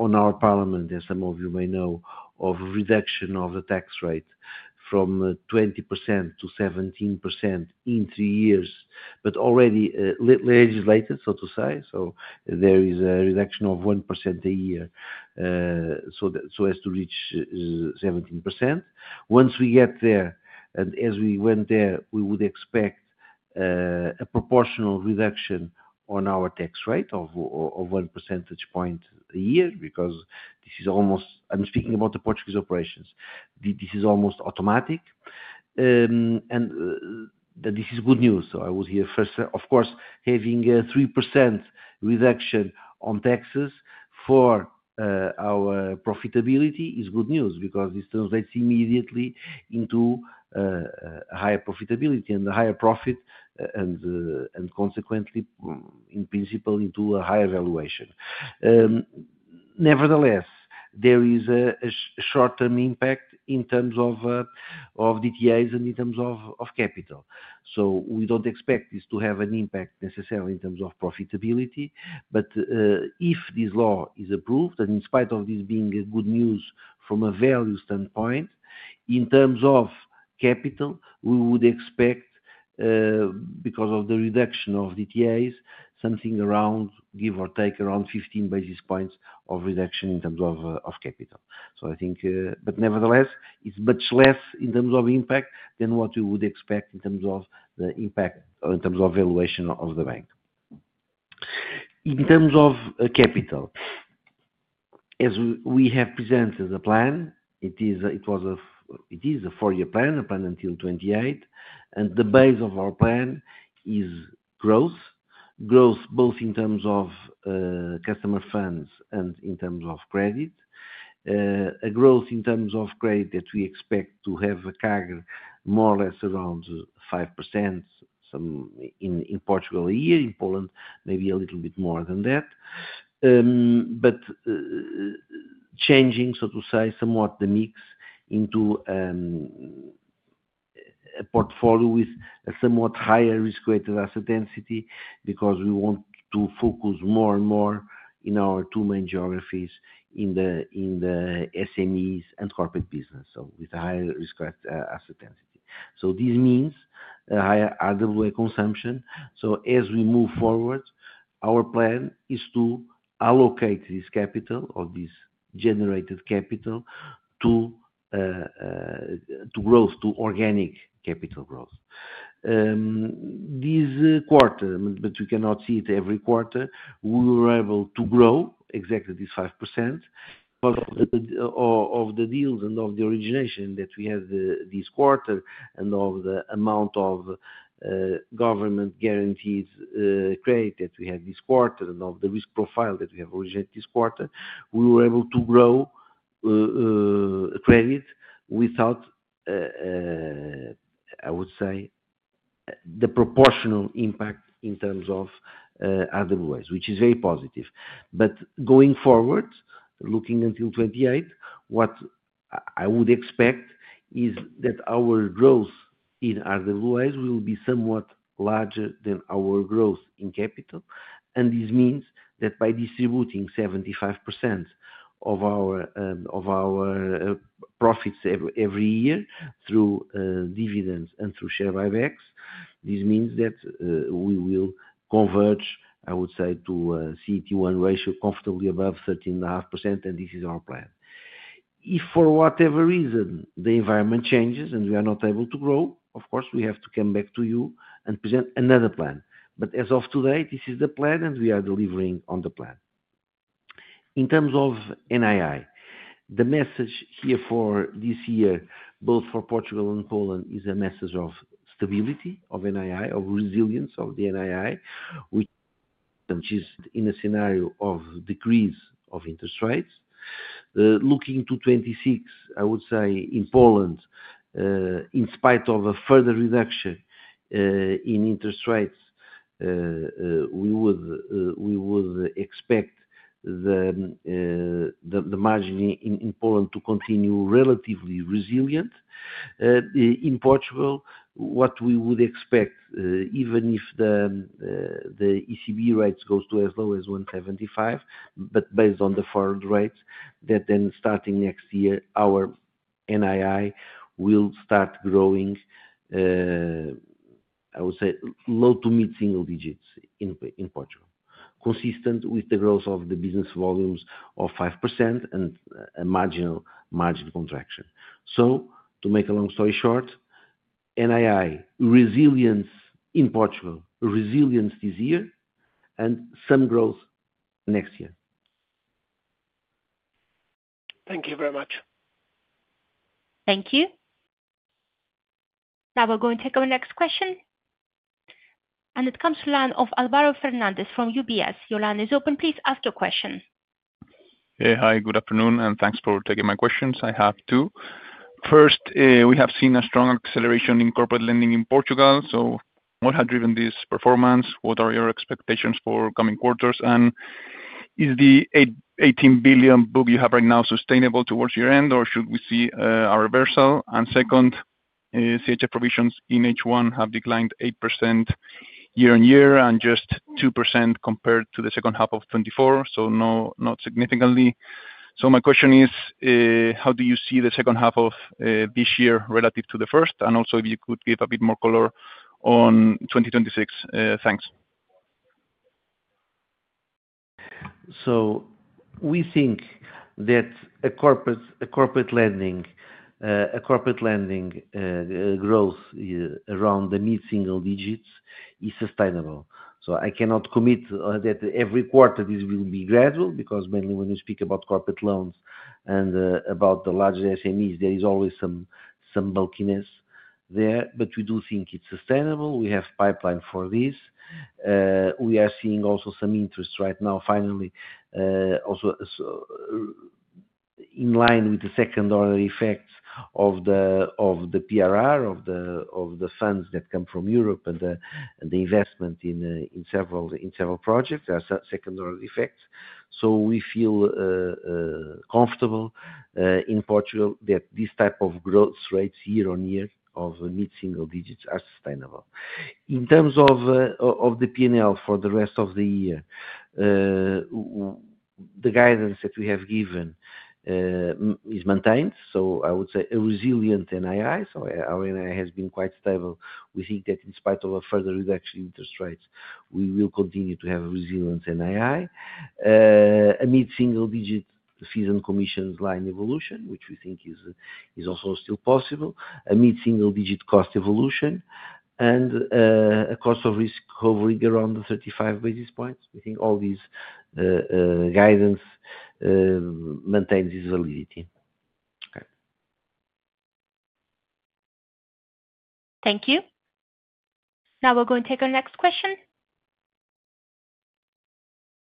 in our parliament, as some of you may know, of reduction of the tax rate from 20% to 17% in three years, but already legislated, so to say. There is a reduction of 1% a year to reach 17%. Once we get there, and as we went there, we would expect a proportional reduction on our tax rate of 1 percentage point a year because this is almost—I'm speaking about the Portuguese operations—this is almost automatic. This is good news. I would hear first, of course, having a 3% reduction on taxes for our profitability is good news because this translates immediately into higher profitability and higher profit and, consequently, in principle, into a higher valuation. Nevertheless, there is a short-term impact in terms of DTAs and in terms of capital. We don't expect this to have an impact necessarily in terms of profitability. If this law is approved, and in spite of this being good news from a value standpoint, in terms of capital, we would expect, because of the reduction of DTAs, something around, give or take, around 15 basis points of reduction in terms of capital. I think nevertheless, it's much less in terms of impact than what we would expect in terms of the impact or in terms of valuation of the bank in terms of capital. As we have presented the plan, it was a four-year plan, a plan until 2028. The base of our plan is growth, growth both in terms of customer funds and in terms of credit. A growth in terms of credit that we expect to have a target more or less around 5%. In Portugal a year, in Poland, maybe a little bit more than that. Changing, so to say, somewhat the mix into a portfolio with a somewhat higher risk-weighted asset density because we want to focus more and more in our two main geographies, in the SMEs and corporate business, so with a higher risk-weighted asset density. This means a higher RWA consumption. As we move forward, our plan is to allocate this capital or this generated capital to growth, to organic capital growth. This quarter, but we cannot see it every quarter, we were able to grow exactly this 5%. Both of the deals and of the origination that we had this quarter and of the amount of government-guaranteed credit that we had this quarter and of the risk profile that we have originated this quarter, we were able to grow credit without. I would say. The proportional impact in terms of RWAs, which is very positive. Going forward, looking until 2028, what I would expect is that our growth in RWAs will be somewhat larger than our growth in capital. This means that by distributing 75% of our profits every year through dividends and through share buybacks, we will converge, I would say, to a CET1 ratio comfortably above 13.5%, and this is our plan. If for whatever reason the environment changes and we are not able to grow, of course, we have to come back to you and present another plan. As of today, this is the plan, and we are delivering on the plan. In terms of NII, the message here for this year, both for Portugal and Poland, is a message of stability, of NII, of resilience of the NII, which, in a scenario of decrease of interest rates. Looking to 2026, I would say, in Poland, in spite of a further reduction in interest rates, we would expect the margin in Poland to continue relatively resilient. In Portugal, what we would expect, even if the ECB rates go as low as 1.75%, but based on the forward rates, that then starting next year, our NII will start growing. I would say, low to mid-single digits in Portugal, consistent with the growth of the business volumes of 5% and a marginal contraction. To make a long story short, NII, resilience in Portugal, resilience this year, and some growth next year. Thank you very much. Thank you. Now we're going to take our next question. It comes to the line of Álvaro Fernandez from UBS. Your line is open. Please ask your question. Hey, hi. Good afternoon, and thanks for taking my questions. I have two. First, we have seen a strong acceleration in corporate lending in Portugal. What has driven this performance? What are your expectations for coming quarters? Is the 18 billion book you have right now sustainable towards year-end, or should we see a reversal? Second, CHF provisions in H1 have declined 8% year-on-year and just 2% compared to the second half of 2024, so not significantly. My question is, how do you see the second half of this year relative to the first? Also, if you could give a bit more color on 2026. Thanks. We think that corporate lending growth around the mid-single digits is sustainable. I cannot commit that every quarter this will be gradual because mainly when you speak about corporate loans and about the larger SMEs, there is always some bulkiness there. We do think it's sustainable. We have a pipeline for this. We are seeing also some interest right now, finally. Also, in line with the second order effects of the PRR, of the funds that come from Europe and the investment in several projects, there are second order effects. We feel comfortable in Portugal that this type of growth rates year-on-year of mid-single digits are sustainable. In terms of the P&L for the rest of the year, the guidance that we have given is maintained. I would say a resilient NII. Our NII has been quite stable. We think that in spite of a further reduction in interest rates, we will continue to have a resilient NII. A mid-single digit fees and commissions line evolution, which we think is also still possible, a mid-single digit cost evolution, and a cost of risk covering around 35 basis points. We think all this guidance maintains its validity. Thank you. Now we're going to take our next question.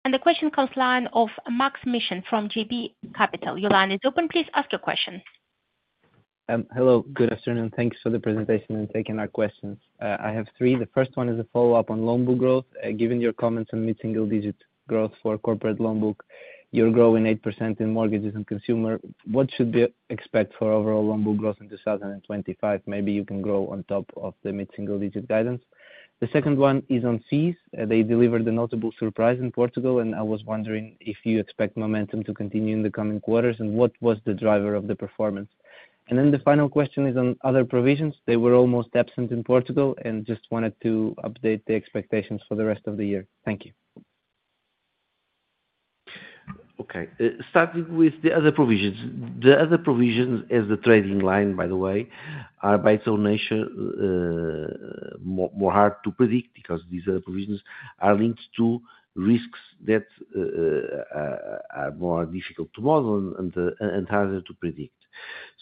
The question comes to the line of Mak Mishyn from JB Capital. Your line is open. Please ask your question. Hello. Good afternoon. Thanks for the presentation and taking our questions. I have three. The first one is a follow-up on loan book growth. Given your comments on mid-single digit growth for corporate loan book, you're growing 8% in mortgages and consumer. What should we expect for overall loan book growth in 2025? Maybe you can grow on top of the mid-single digit guidance. The second one is on fees. They delivered a notable surprise in Portugal, and I was wondering if you expect momentum to continue in the coming quarters, and what was the driver of the performance? The final question is on other provisions. They were almost absent in Portugal and just wanted to update the expectations for the rest of the year. Thank you. Starting with the other provisions. The other provisions, as the trading line, by the way, are by its own nature more hard to predict because these other provisions are linked to risks that are more difficult to model and harder to predict.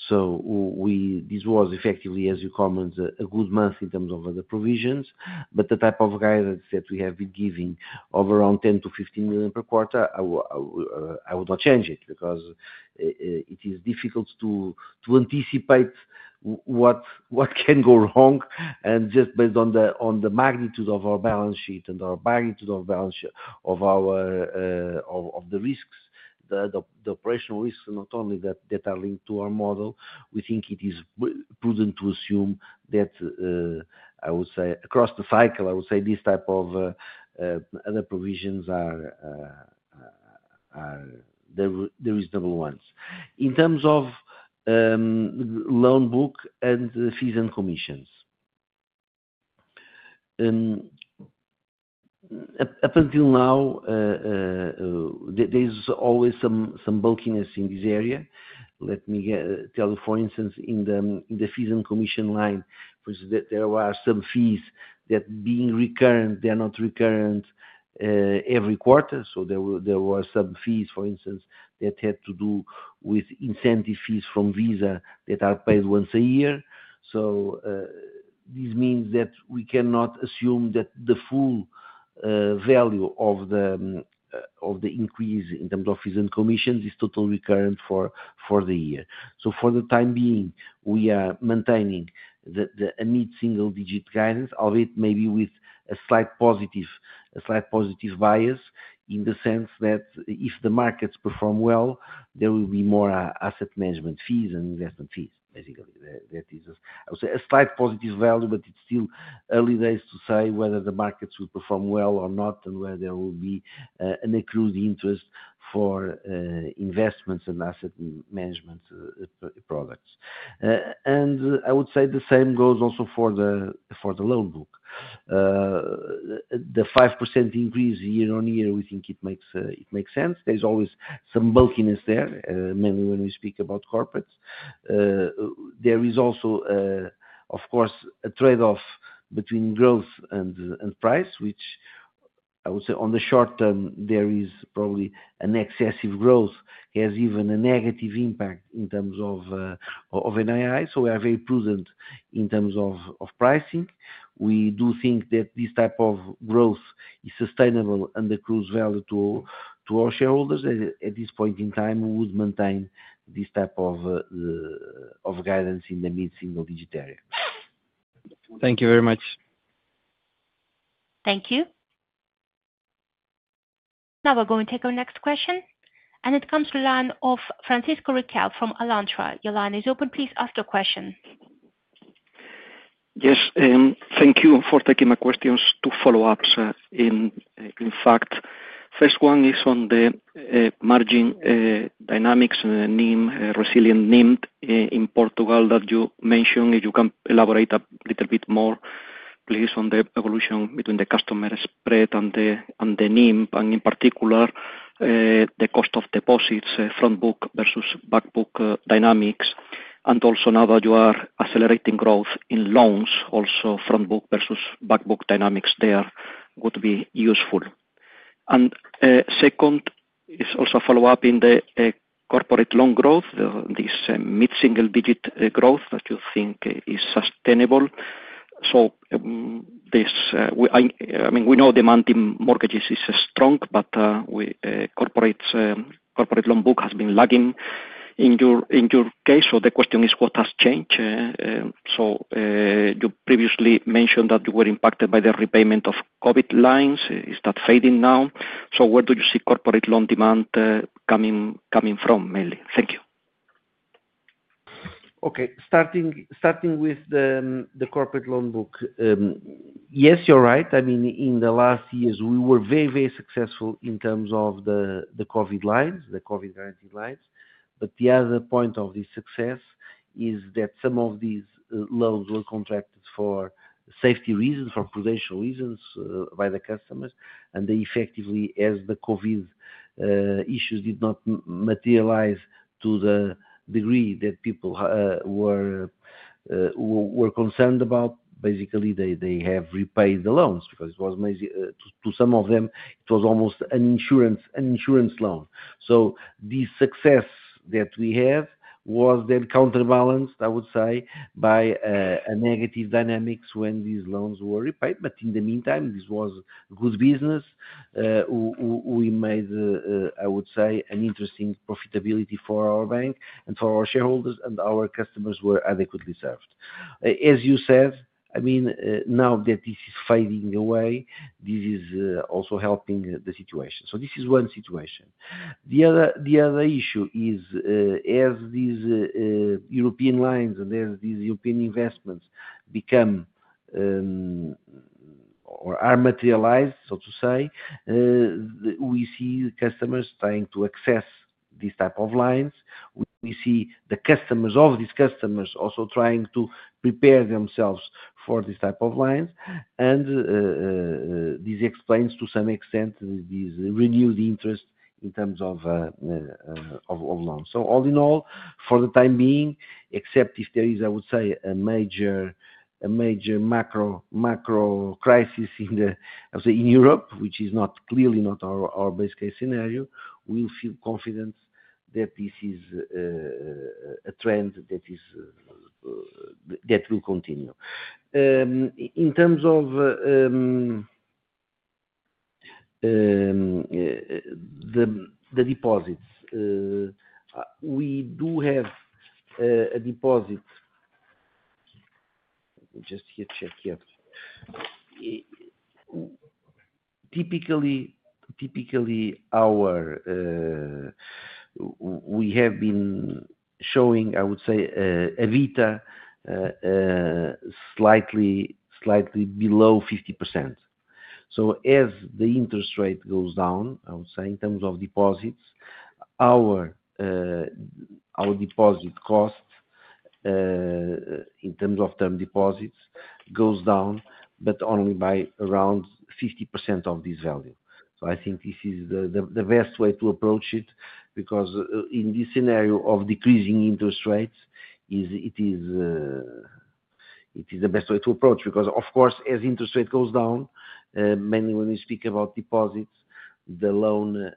This was effectively, as you comment, a good month in terms of other provisions. The type of guidance that we have been giving of around $10 million-$15 million per quarter, I would not change it because it is difficult to anticipate what can go wrong. Just based on the magnitude of our balance sheet and the magnitude of the risks. The operational risks, not only that are linked to our model, we think it is prudent to assume that. I would say, across the cycle, this type of other provisions are the reasonable ones. In terms of loan book and fees and commissions, up until now, there's always some bulkiness in this area. Let me tell you, for instance, in the fees and commission line, there are some fees that, being recurrent, they're not recurrent every quarter. There were some fees, for instance, that had to do with incentive fees from Visa that are paid once a year. This means that we cannot assume that the full value of the increase in terms of fees and commissions is totally recurrent for the year. For the time being, we are maintaining a mid-single digit guidance, albeit maybe with a slight positive bias in the sense that if the markets perform well, there will be more asset management fees and investment fees. Basically, that is a slight positive value, but it's still early days to say whether the markets will perform well or not and whether there will be an accrued interest for investments and asset management products. I would say the same goes also for the loan book. The 5% increase year-on-year, we think it makes sense. There's always some bulkiness there, mainly when we speak about corporates. There is also, of course, a trade-off between growth and price, which I would say on the short term, there is probably an excessive growth has even a negative impact in terms of NII. We are very prudent in terms of pricing. We do think that this type of growth is sustainable and accrues value to our shareholders. At this point in time, we would maintain this type of guidance in the mid-single digit area. Thank you very much. Thank you. Now we're going to take our next question. It comes to the line of Francisco Riquel from Alantra. Your line is open. Please ask your question. Yes. Thank you for taking my questions, two follow-ups. In fact, first one is on the margin dynamics and resilient NIM in Portugal that you mentioned. If you can elaborate a little bit more, please, on the evolution between the customer spread and the NIM, and in particular the cost of deposits, front book versus back book dynamics. Also, now that you are accelerating growth in loans, also front book versus back book dynamics there would be useful. Second is also a follow-up in the corporate loan growth, this mid-single digit growth that you think is sustainable. I mean, we know demand in mortgages is strong. Corporate loan book has been lagging in your case. The question is, what has changed? You previously mentioned that you were impacted by the repayment of COVID lines. Is that fading now? Where do you see corporate loan demand coming from, mainly? Thank you. Okay. Starting with the corporate loan book. Yes, you're right. In the last years, we were very, very successful in terms of the COVID lines, the COVID guaranteed lines. The other point of this success is that some of these loans were contracted for safety reasons, for prudential reasons by the customers. Effectively, as the COVID issues did not materialize to the degree that people were concerned about, basically, they have repaid the loans because, to some of them, it was almost an insurance loan. This success that we have was then counterbalanced, I would say, by negative dynamics when these loans were repaid. In the meantime, this was good business. We made, I would say, an interesting profitability for our bank and for our shareholders, and our customers were adequately served. As you said, now that this is fading away, this is also helping the situation. This is one situation. The other issue is, as these European lines and as these European investments become or are materialized, so to say, we see customers trying to access these types of lines. We see all of these customers also trying to prepare themselves for these types of lines. This explains, to some extent, this renewed interest in terms of loans. All in all, for the time being, except if there is, I would say, a major macro crisis in Europe, which is clearly not our best-case scenario, we feel confident that this is a trend that will continue. In terms of the deposits, we do have a deposit. Let me just check here. Typically, we have been showing, I would say, a veta slightly below 50%. As the interest rate goes down, I would say, in terms of deposits, our deposit cost in terms of term deposits goes down, but only by around 50% of this value. I think this is the best way to approach it because in this scenario of decreasing interest rates, it is the best way to approach. Of course, as interest rate goes down, mainly when we speak about deposits, the loan.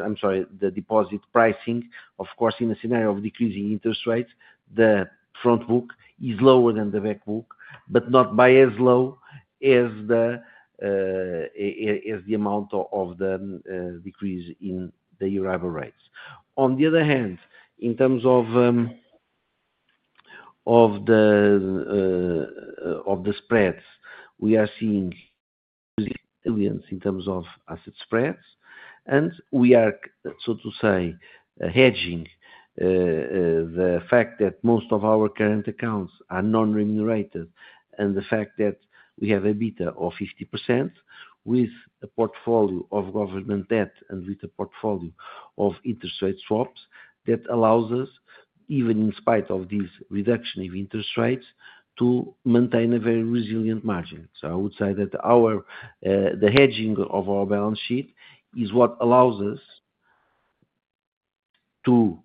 I'm sorry, the deposit pricing, of course, in a scenario of decreasing interest rates, the front book is lower than the back book, but not by as low as the amount of the decrease in the year-over rates. On the other hand, in terms of the spreads, we are seeing resilience in terms of asset spreads. We are, so to say, hedging the fact that most of our current accounts are non-remunerated and the fact that we have a beta of 50% with a portfolio of government debt and with a portfolio of interest rate swaps that allows us, even in spite of this reduction in interest rates, to maintain a very resilient margin. I would say that the hedging of our balance sheet is what allows us to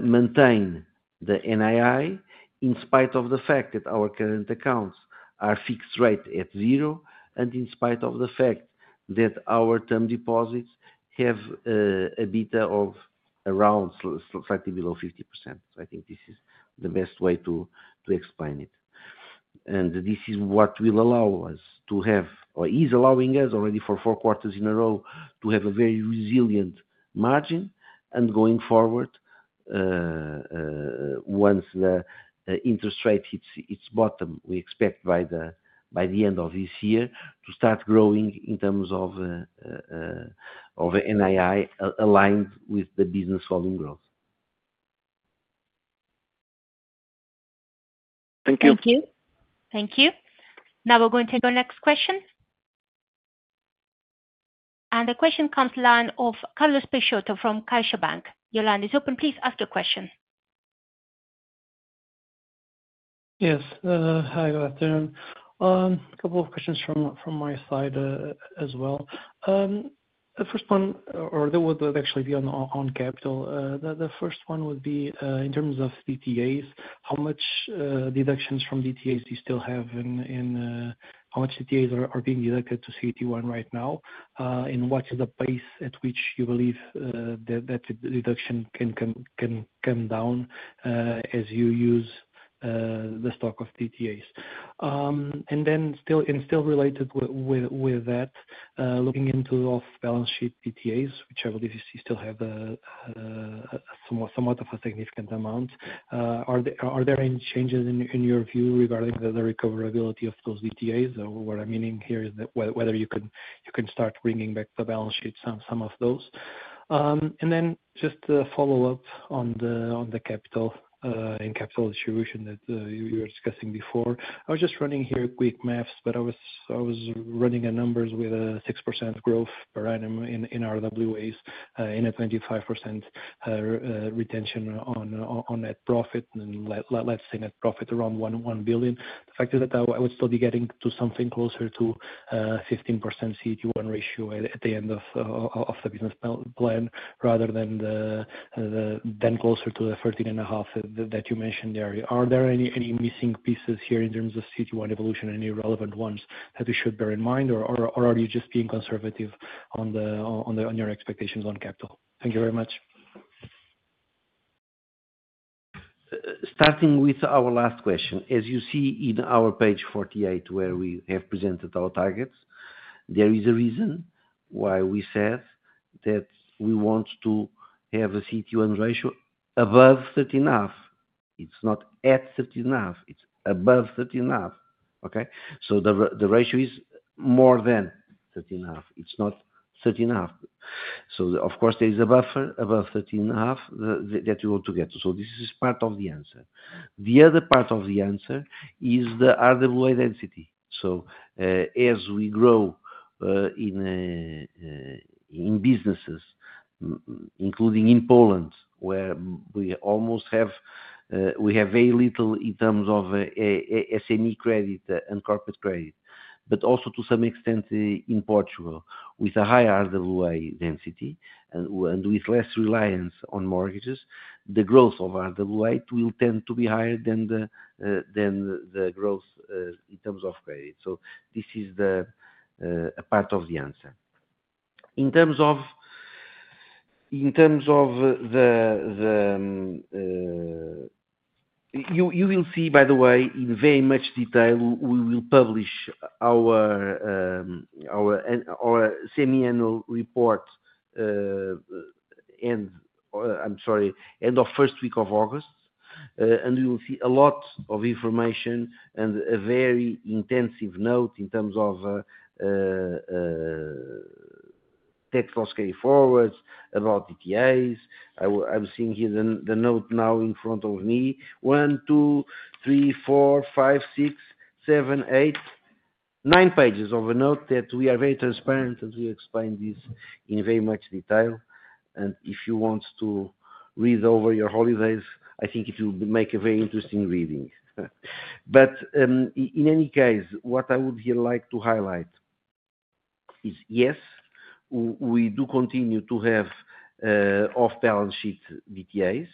maintain the NII in spite of the fact that our current accounts are fixed rate at zero and in spite of the fact that our term deposits have a beta of around slightly below 50%. I think this is the best way to explain it. This is what will allow us to have or is allowing us already for four quarters in a row to have a very resilient margin. Going forward, once the interest rate hits its bottom, we expect by the end of this year to start growing in terms of NII aligned with the business volume growth. Thank you. Thank you. Thank you. Now we're going to take our next question. The question comes to the line of Carlos Peixoto from CaixaBank. Your line is open. Please ask your question. Yes. Hi. Good afternoon. A couple of questions from my side as well. The first one, or that would actually be on capital, the first one would be in terms of DTAs, how much deductions from DTAs do you still have and how much DTAs are being deducted to CET1 right now? What is the pace at which you believe that the deduction can come down as you use the stock of DTAs? Still related with that, looking into balance sheet DTAs, which I believe you still have somewhat of a significant amount, are there any changes in your view regarding the recoverability of those DTAs? What I'm meaning here is whether you can start bringing back to the balance sheet some of those. Just a follow-up on the capital. In capital distribution that you were discussing before, I was just running here quick maths, but I was running numbers with a 6% growth per annum in RWAs, in a 25% retention on net profit. Let's say net profit around 1 billion. The fact is that I would still be getting to something closer to 15% CET1 ratio at the end of the business plan rather than the then closer to the 13.5% that you mentioned there. Are there any missing pieces here in terms of CET1 evolution, any relevant ones that we should bear in mind, or are you just being conservative on your expectations on capital? Thank you very much. Starting with our last question, as you see in our page 48 where we have presented our targets, there is a reason why we said that we want to have a CET1 ratio above 13.9%. It's not at 13.9%. It's above 13.9%. Okay? The ratio is more than 13.9%. It's not 13.9%. Of course, there is a buffer above 13.5% that we want to get. This is part of the answer. The other part of the answer is the RWA density. As we grow in businesses, including in Poland where we have very little in terms of SME credit and corporate credit, but also to some extent in Portugal, with a higher RWA density and with less reliance on mortgages, the growth of RWA will tend to be higher than the growth in terms of credit. This is a part of the answer. In terms of the details, you will see, by the way, in very much detail, we will publish our semi-annual report end of first week of August. We will see a lot of information and a very intensive note in terms of tax force carry forwards about DTAs. I am seeing here the note now in front of me. One, two, three, four, five, six, seven, eight, nine pages of a note that we are very transparent and we explain this in very much detail. If you want to read over your holidays, I think it will make a very interesting reading. In any case, what I would like to highlight is yes, we do continue to have off-balance sheet DTAs.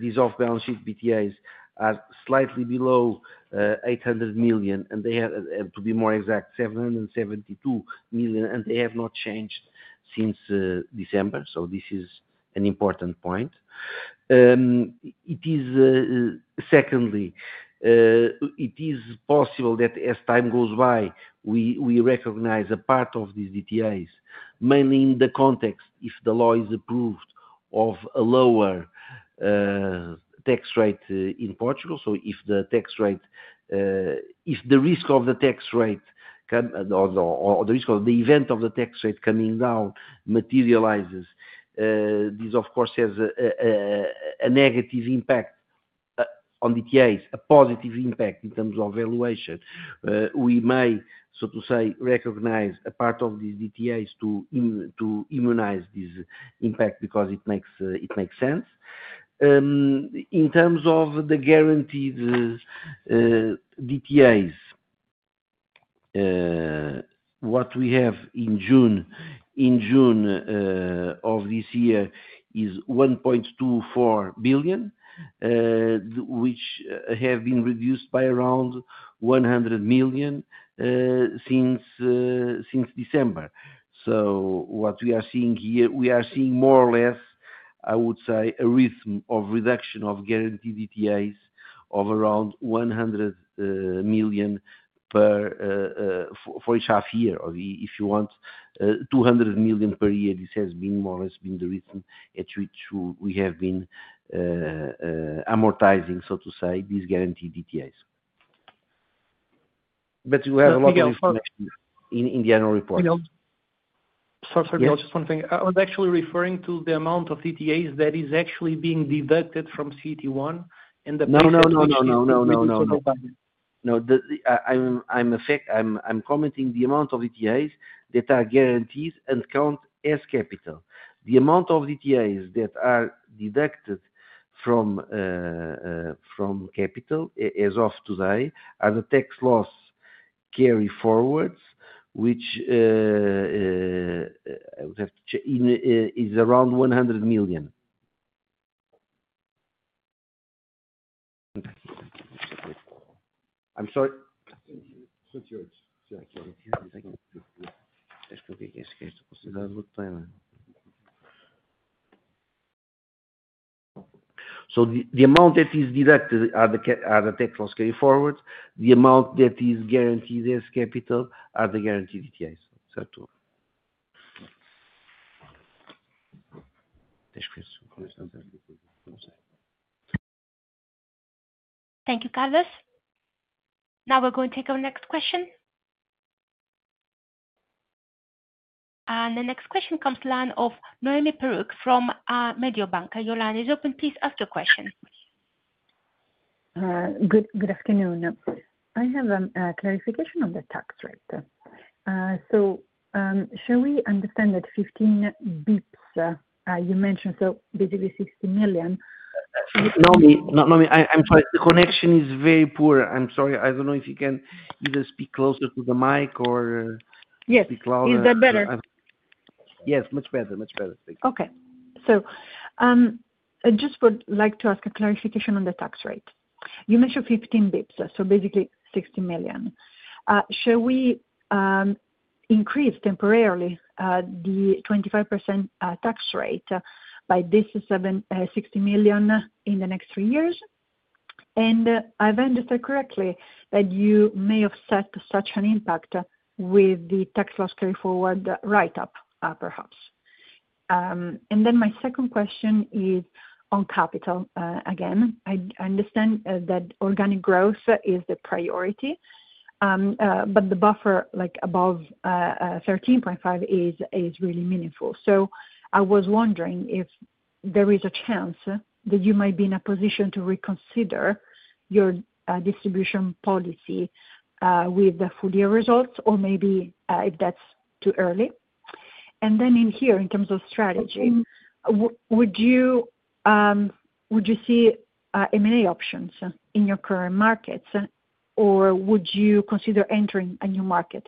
These off-balance sheet DTAs are slightly below 800 million, and to be more exact, 772 million, and they have not changed since December. This is an important point. Secondly, it is possible that as time goes by, we recognize a part of these DTAs, mainly in the context if the law is approved of a lower tax rate in Portugal. If the risk of the tax rate coming down materializes, this, of course, has a negative impact on DTAs, a positive impact in terms of valuation. We may, so to say, recognize a part of these DTAs to immunize this impact because it makes sense. In terms of the guaranteed DTAs, what we have in June of this year is 1.24 billion, which have been reduced by around 100 million since December. What we are seeing here, we are seeing more or less, I would say, a rhythm of reduction of guaranteed DTAs of around 100 million per half year. If you want, 200 million per year, this has more or less been the rhythm at which we have been amortizing, so to say, these guaranteed DTAs. You have a lot of information in the annual report. Sorry, just one thing. I was actually referring to the amount of DTAs that is actually being deducted from CET1 and the. No, no, no. No, I'm commenting the amount of DTAs that are guaranteed and count as capital. The amount of DTAs that are deducted from capital as of today are the tax loss carry forwards, which, I would have to check, is around 100 million. I'm sorry. The amount that is deducted are the tax loss carry forwards. The amount that is guaranteed as capital are the guaranteed DTAs. Certo? Thank you, Carlos. Now we're going to take our next question. The next question comes to the line of Noemi Peruch from Mediobanca. Your line is open. Please ask your question. Good afternoon. I have a clarification on the tax rate. Shall we understand that 15 basis points you mentioned, so basically 60 million? Noemi, I'm sorry. The connection is very poor. I'm sorry. I don't know if you can either speak closer to the mic or, Yes. Speak louder. Is that better? Yes, much better, much better. Okay. I just would like to ask a clarification on the tax rate. You mentioned 15 basis points, so basically 60 million. Shall we increase temporarily the 25% tax rate by this 60 million in the next three years? I've understood correctly that you may have set such an impact with the tax loss carry forward write-up, perhaps. My second question is on capital again. I understand that organic growth is the priority, but the buffer above 13.5% is really meaningful. I was wondering if there is a chance that you might be in a position to reconsider your distribution policy with the full year results, or maybe if that's too early. In terms of strategy, would you see M&A options in your current markets, or would you consider entering a new market,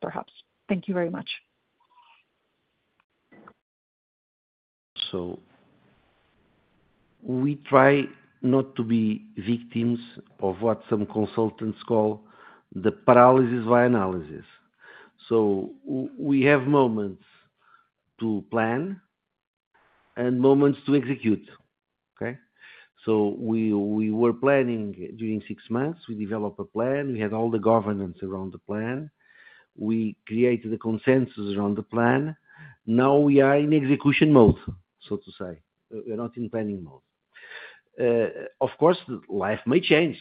perhaps? Thank you very much. We try not to be victims of what some consultants call the paralysis by analysis. We have moments to plan and moments to execute. We were planning during six months. We developed a plan. We had all the governance around the plan. We created a consensus around the plan. Now we are in execution mode, so to say. We're not in planning mode. Of course, life may change.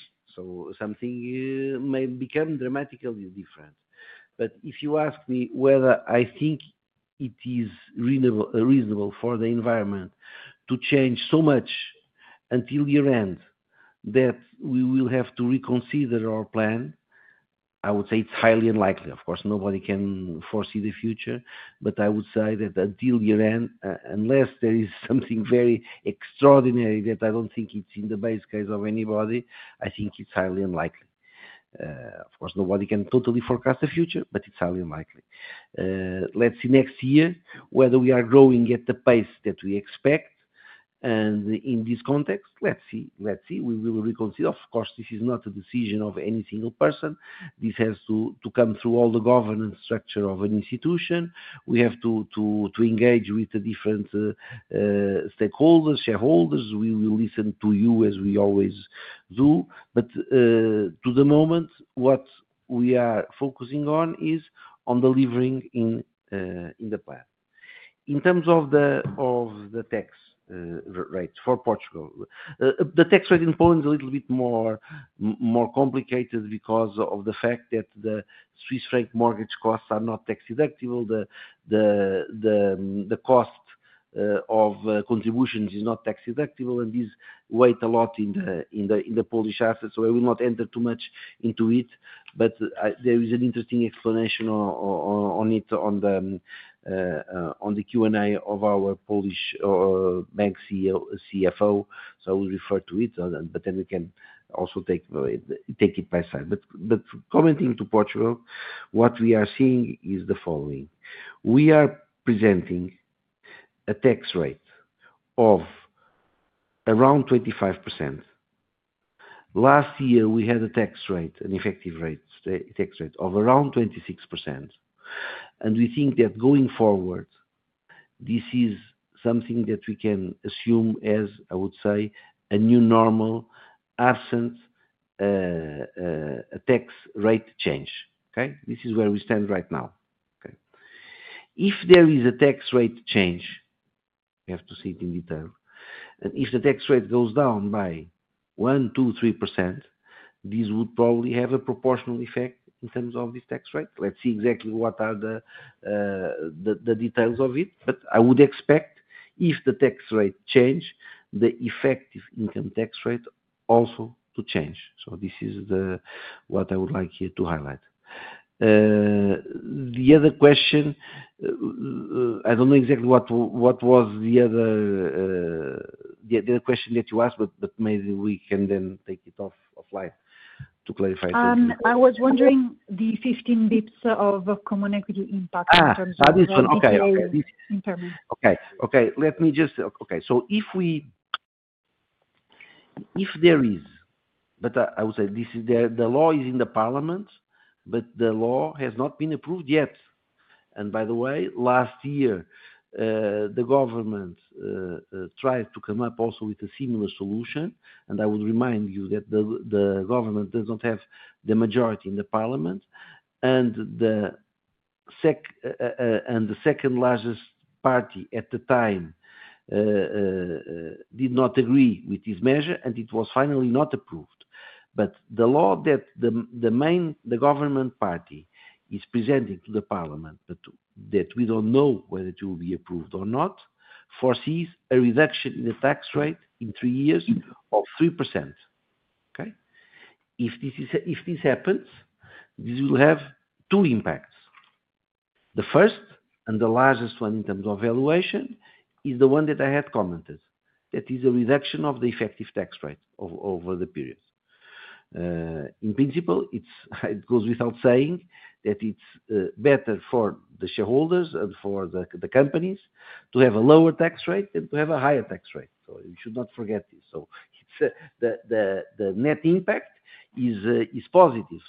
Something may become dramatically different. If you ask me whether I think it is reasonable for the environment to change so much until year-end that we will have to reconsider our plan, I would say it's highly unlikely. Of course, nobody can foresee the future. I would say that until year-end, unless there is something very extraordinary that I don't think is in the base case of anybody, I think it's highly unlikely. Of course, nobody can totally forecast the future, but it's highly unlikely. Let's see next year whether we are growing at the pace that we expect. In this context, let's see. We will reconsider. Of course, this is not a decision of any single person. This has to come through all the governance structure of an institution. We have to engage with the different stakeholders, shareholders. We will listen to you as we always do. To the moment, what we are focusing on is on delivering in the plan. In terms of the tax rates for Portugal, the tax rate in Poland is a little bit more complicated because of the fact that the Swiss franc mortgage costs are not tax deductible. The cost of contributions is not tax deductible and this weighs a lot in the Polish assets. I will not enter too much into it. There is an interesting explanation on it in the Q&A of our Polish bank CFO, so I will refer to it. We can also take it by side. Commenting to Portugal, what we are seeing is the following. We are presenting a tax rate of around 25%. Last year, we had a tax rate, an effective tax rate of around 26%. We think that going forward, this is something that we can assume as, I would say, a new normal absent a tax rate change. This is where we stand right now. If there is a tax rate change, we have to see it in detail. If the tax rate goes down by 1%, 2%, 3%, this would probably have a proportional effect in terms of this tax rate. Let's see exactly what are the details of it. I would expect if the tax rate changes, the effective income tax rate also to change. This is what I would like here to highlight. The other question, I don't know exactly what was the other question that you asked, but maybe we can then take it offline to clarify something. I was wondering the 15 basis points of common equity impact. Okay. Okay. In terms. Let me just, okay. If there is, I would say the law is in the parliament, but the law has not been approved yet. By the way, last year, the government tried to come up also with a similar solution. I would remind you that the government does not have the majority in the parliament. The second largest party at the time did not agree with this measure, and it was finally not approved. The law that the main government party is presenting to the parliament, but that we don't know whether it will be approved or not, foresees a reduction in the tax rate in three years of 3%. If this happens, this will have two impacts. The first and the largest one in terms of valuation is the one that I had commented, that is a reduction of the effective tax rate over the period. In principle, it goes without saying that it's better for the shareholders and for the companies to have a lower tax rate than to have a higher tax rate. We should not forget this. The net impact is positive.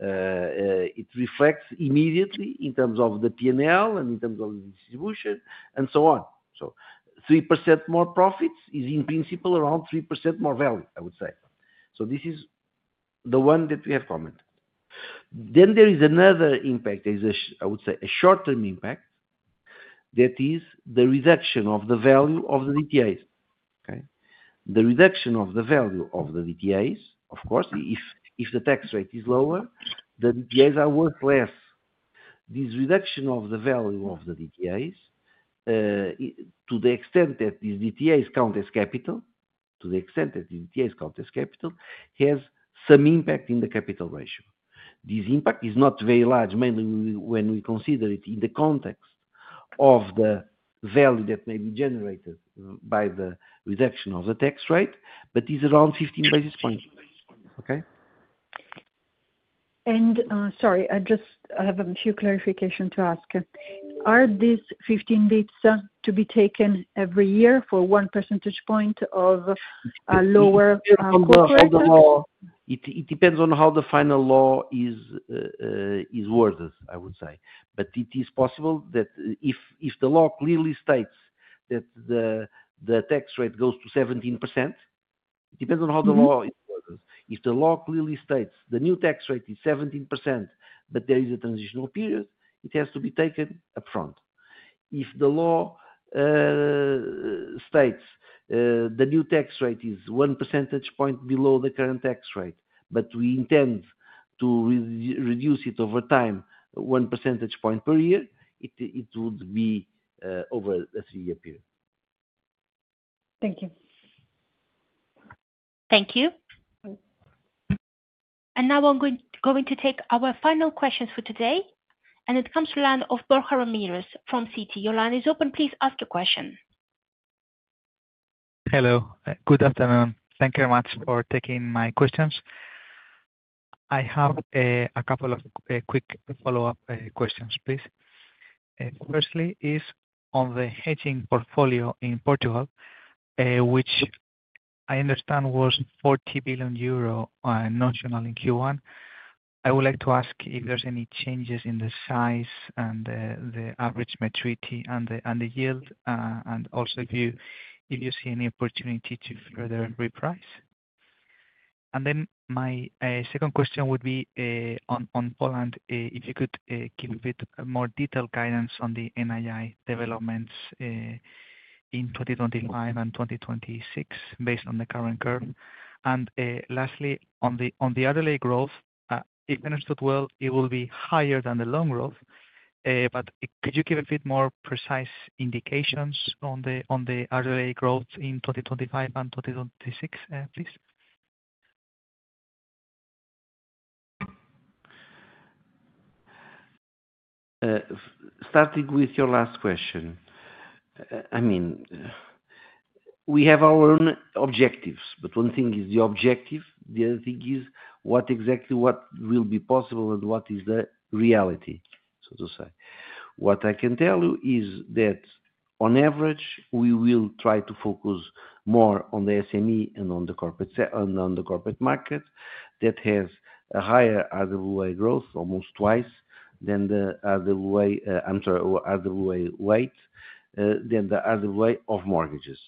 It reflects immediately in terms of the P&L and in terms of the distribution and so on. 3% more profits is in principle around 3% more value, I would say. This is the one that we have commented. There is another impact. There is, I would say, a short-term impact. That is the reduction of the value of the BTAs. The reduction of the value of the BTAs, of course, if the tax rate is lower, the BTAs are worth less. This reduction of the value of the BTAs, to the extent that these BTAs count as capital, has some impact in the capital ratio. This impact is not very large, mainly when we consider it in the context of the value that may be generated by the reduction of the tax rate, but it's around 15 basis points. Sorry, I just have a few clarifications to ask. Are these 15 basis points to be taken every year for 1% of a lower corporate? Of course. How the law is, it depends on how the final law is worded, I would say. It is possible that if the law clearly states that the tax rate goes to 17%, it depends on how the law is worded. If the law clearly states the new tax rate is 17%, but there is a transitional period, it has to be taken upfront. If the law states the new tax rate is 1% below the current tax rate, but we intend to reduce it over time, 1% per year, it would be over a three-year period. Thank you. Thank you. I'm going to take our final questions for today. It comes to the line of from Citi. Your line is open. Please ask your question. Hello. Good afternoon. Thank you very much for taking my questions. I have a couple of quick follow-up questions, please. Firstly, on the hedging portfolio in Portugal, which I understand was 40 billion euro notional in Q1. I would like to ask if there's any change in the size, the average maturity, and the yield, and also if you see any opportunity to further reprice. My second question would be on Poland, if you could give a bit more detailed guidance on the NII developments in 2025 and 2026 based on the current curve. Lastly, on the RLA growth, if I understood well, it will be higher than the loan growth. Could you give a bit more precise indication on the RLA growth in 2025 and 2026, please? Starting with your last question. I mean, we have our own objectives, but one thing is the objective, the other thing is what exactly will be possible and what is the reality, so to say. What I can tell you is that on average, we will try to focus more on the SME and on the corporate side and on the corporate market that has a higher RWA growth, almost twice the RWA weight than the RWA of mortgages.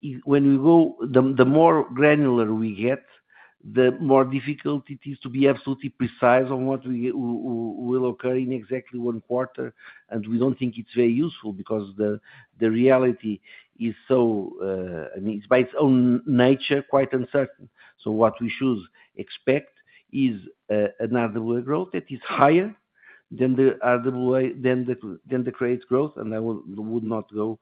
The more granular we get, the more difficult it is to be absolutely precise on what will occur in exactly one quarter. We don't think it's very useful because the reality is, by its own nature, quite uncertain. What we should expect is an RWA growth that is higher than the credit growth. I would not go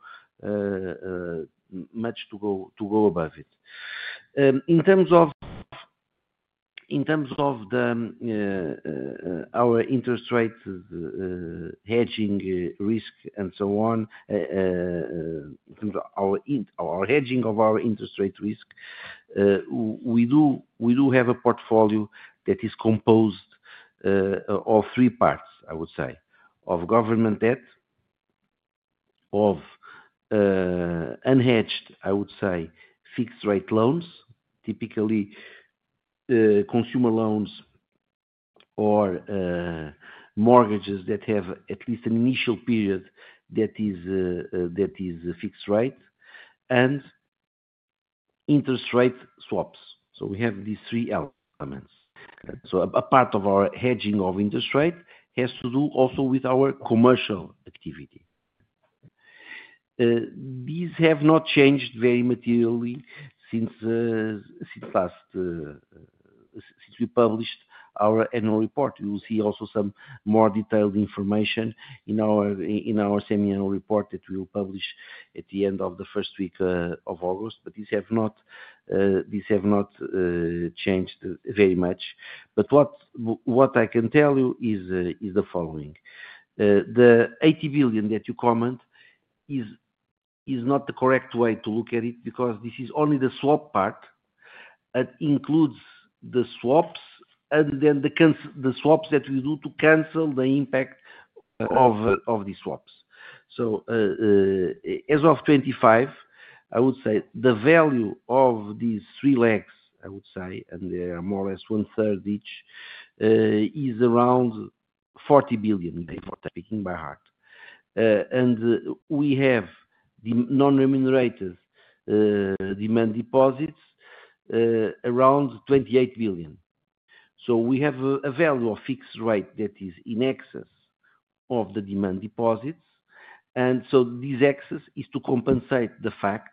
much above it. In terms of our interest rates, hedging, risk, and so on, in terms of our hedging of our interest rate risk, we do have a portfolio that is composed of three parts, I would say: government debt, unhedged fixed-rate loans—typically consumer loans or mortgages that have at least an initial period that is fixed rate—and interest rate swaps. We have these three elements. A part of our hedging of interest rate has to do also with our commercial activity. These have not changed very materially since we published our annual report. You will see also some more detailed information in our semi-annual report that we will publish at the end of the first week of August. These have not changed very much. What I can tell you is the following. The 80 billion that you comment is not the correct way to look at it because this is only the swap part. That includes the swaps and then the swaps that we do to cancel the impact of the swaps. As of 2025, I would say the value of these three legs, and they are more or less one-third each, is around 40 billion, if I'm speaking by heart. We have the non-remunerated demand deposits, around 28 billion. We have a value of fixed rate that is in excess of the demand deposits, and this excess is to compensate the fact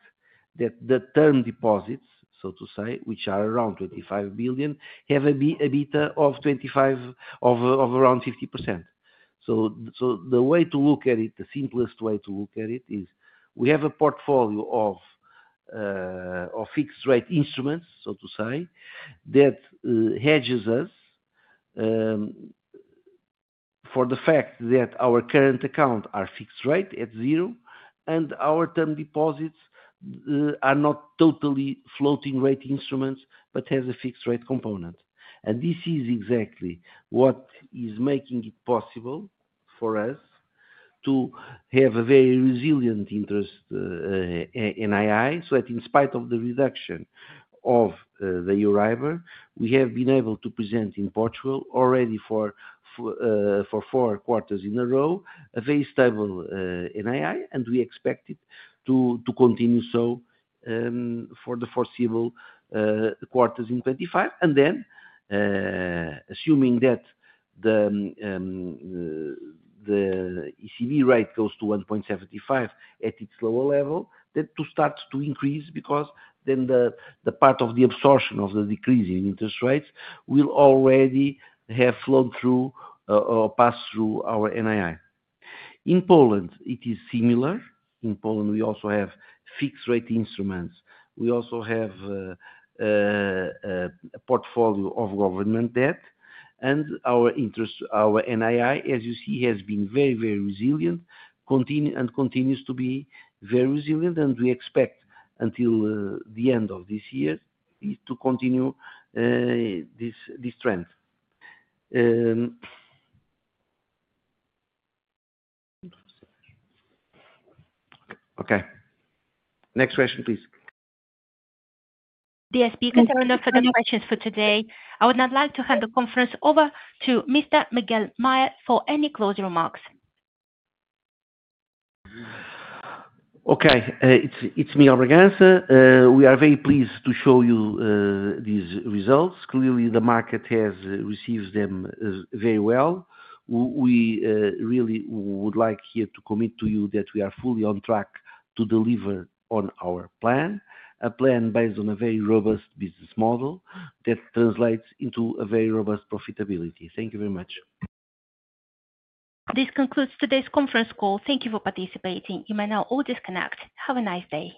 that the term deposits, which are around 25 billion, have a beta of around 50%. The way to look at it, the simplest way to look at it is we have a portfolio of fixed-rate instruments, so to say, that hedges us for the fact that our current accounts are fixed rate at zero, and our term deposits are not totally floating-rate instruments but have a fixed-rate component. This is exactly what is making it possible for us to have a very resilient interest, NII, so that in spite of the reduction of the Euribor, we have been able to present in Portugal already for four quarters in a row a very stable NII. We expect it to continue so for the foreseeable quarters in 2025. Assuming that the ECB rate goes to 1.75 at its lower level, that will start to increase because then the part of the absorption of the decrease in interest rates will already have flowed through, or passed through our NII. In Poland, it is similar. In Poland, we also have fixed-rate instruments. We also have a portfolio of government debt. Our interest, our NII, as you see, has been very, very resilient and continues to be very resilient. We expect until the end of this year to continue this trend. Next question, please. Dear speakers, there are no further questions for today. I would now like to hand the conference over to Mr. Miguel Maya for any closing remarks. Okay. It's me, Alvaro Fernandez-Garayzabal Gonzalez. We are very pleased to show you these results. Clearly, the market has received them very well. We really would like here to commit to you that we are fully on track to deliver on our plan, a plan based on a very robust business model that translates into a very robust profitability. Thank you very much. This concludes today's conference call. Thank you for participating. You may now all disconnect. Have a nice day.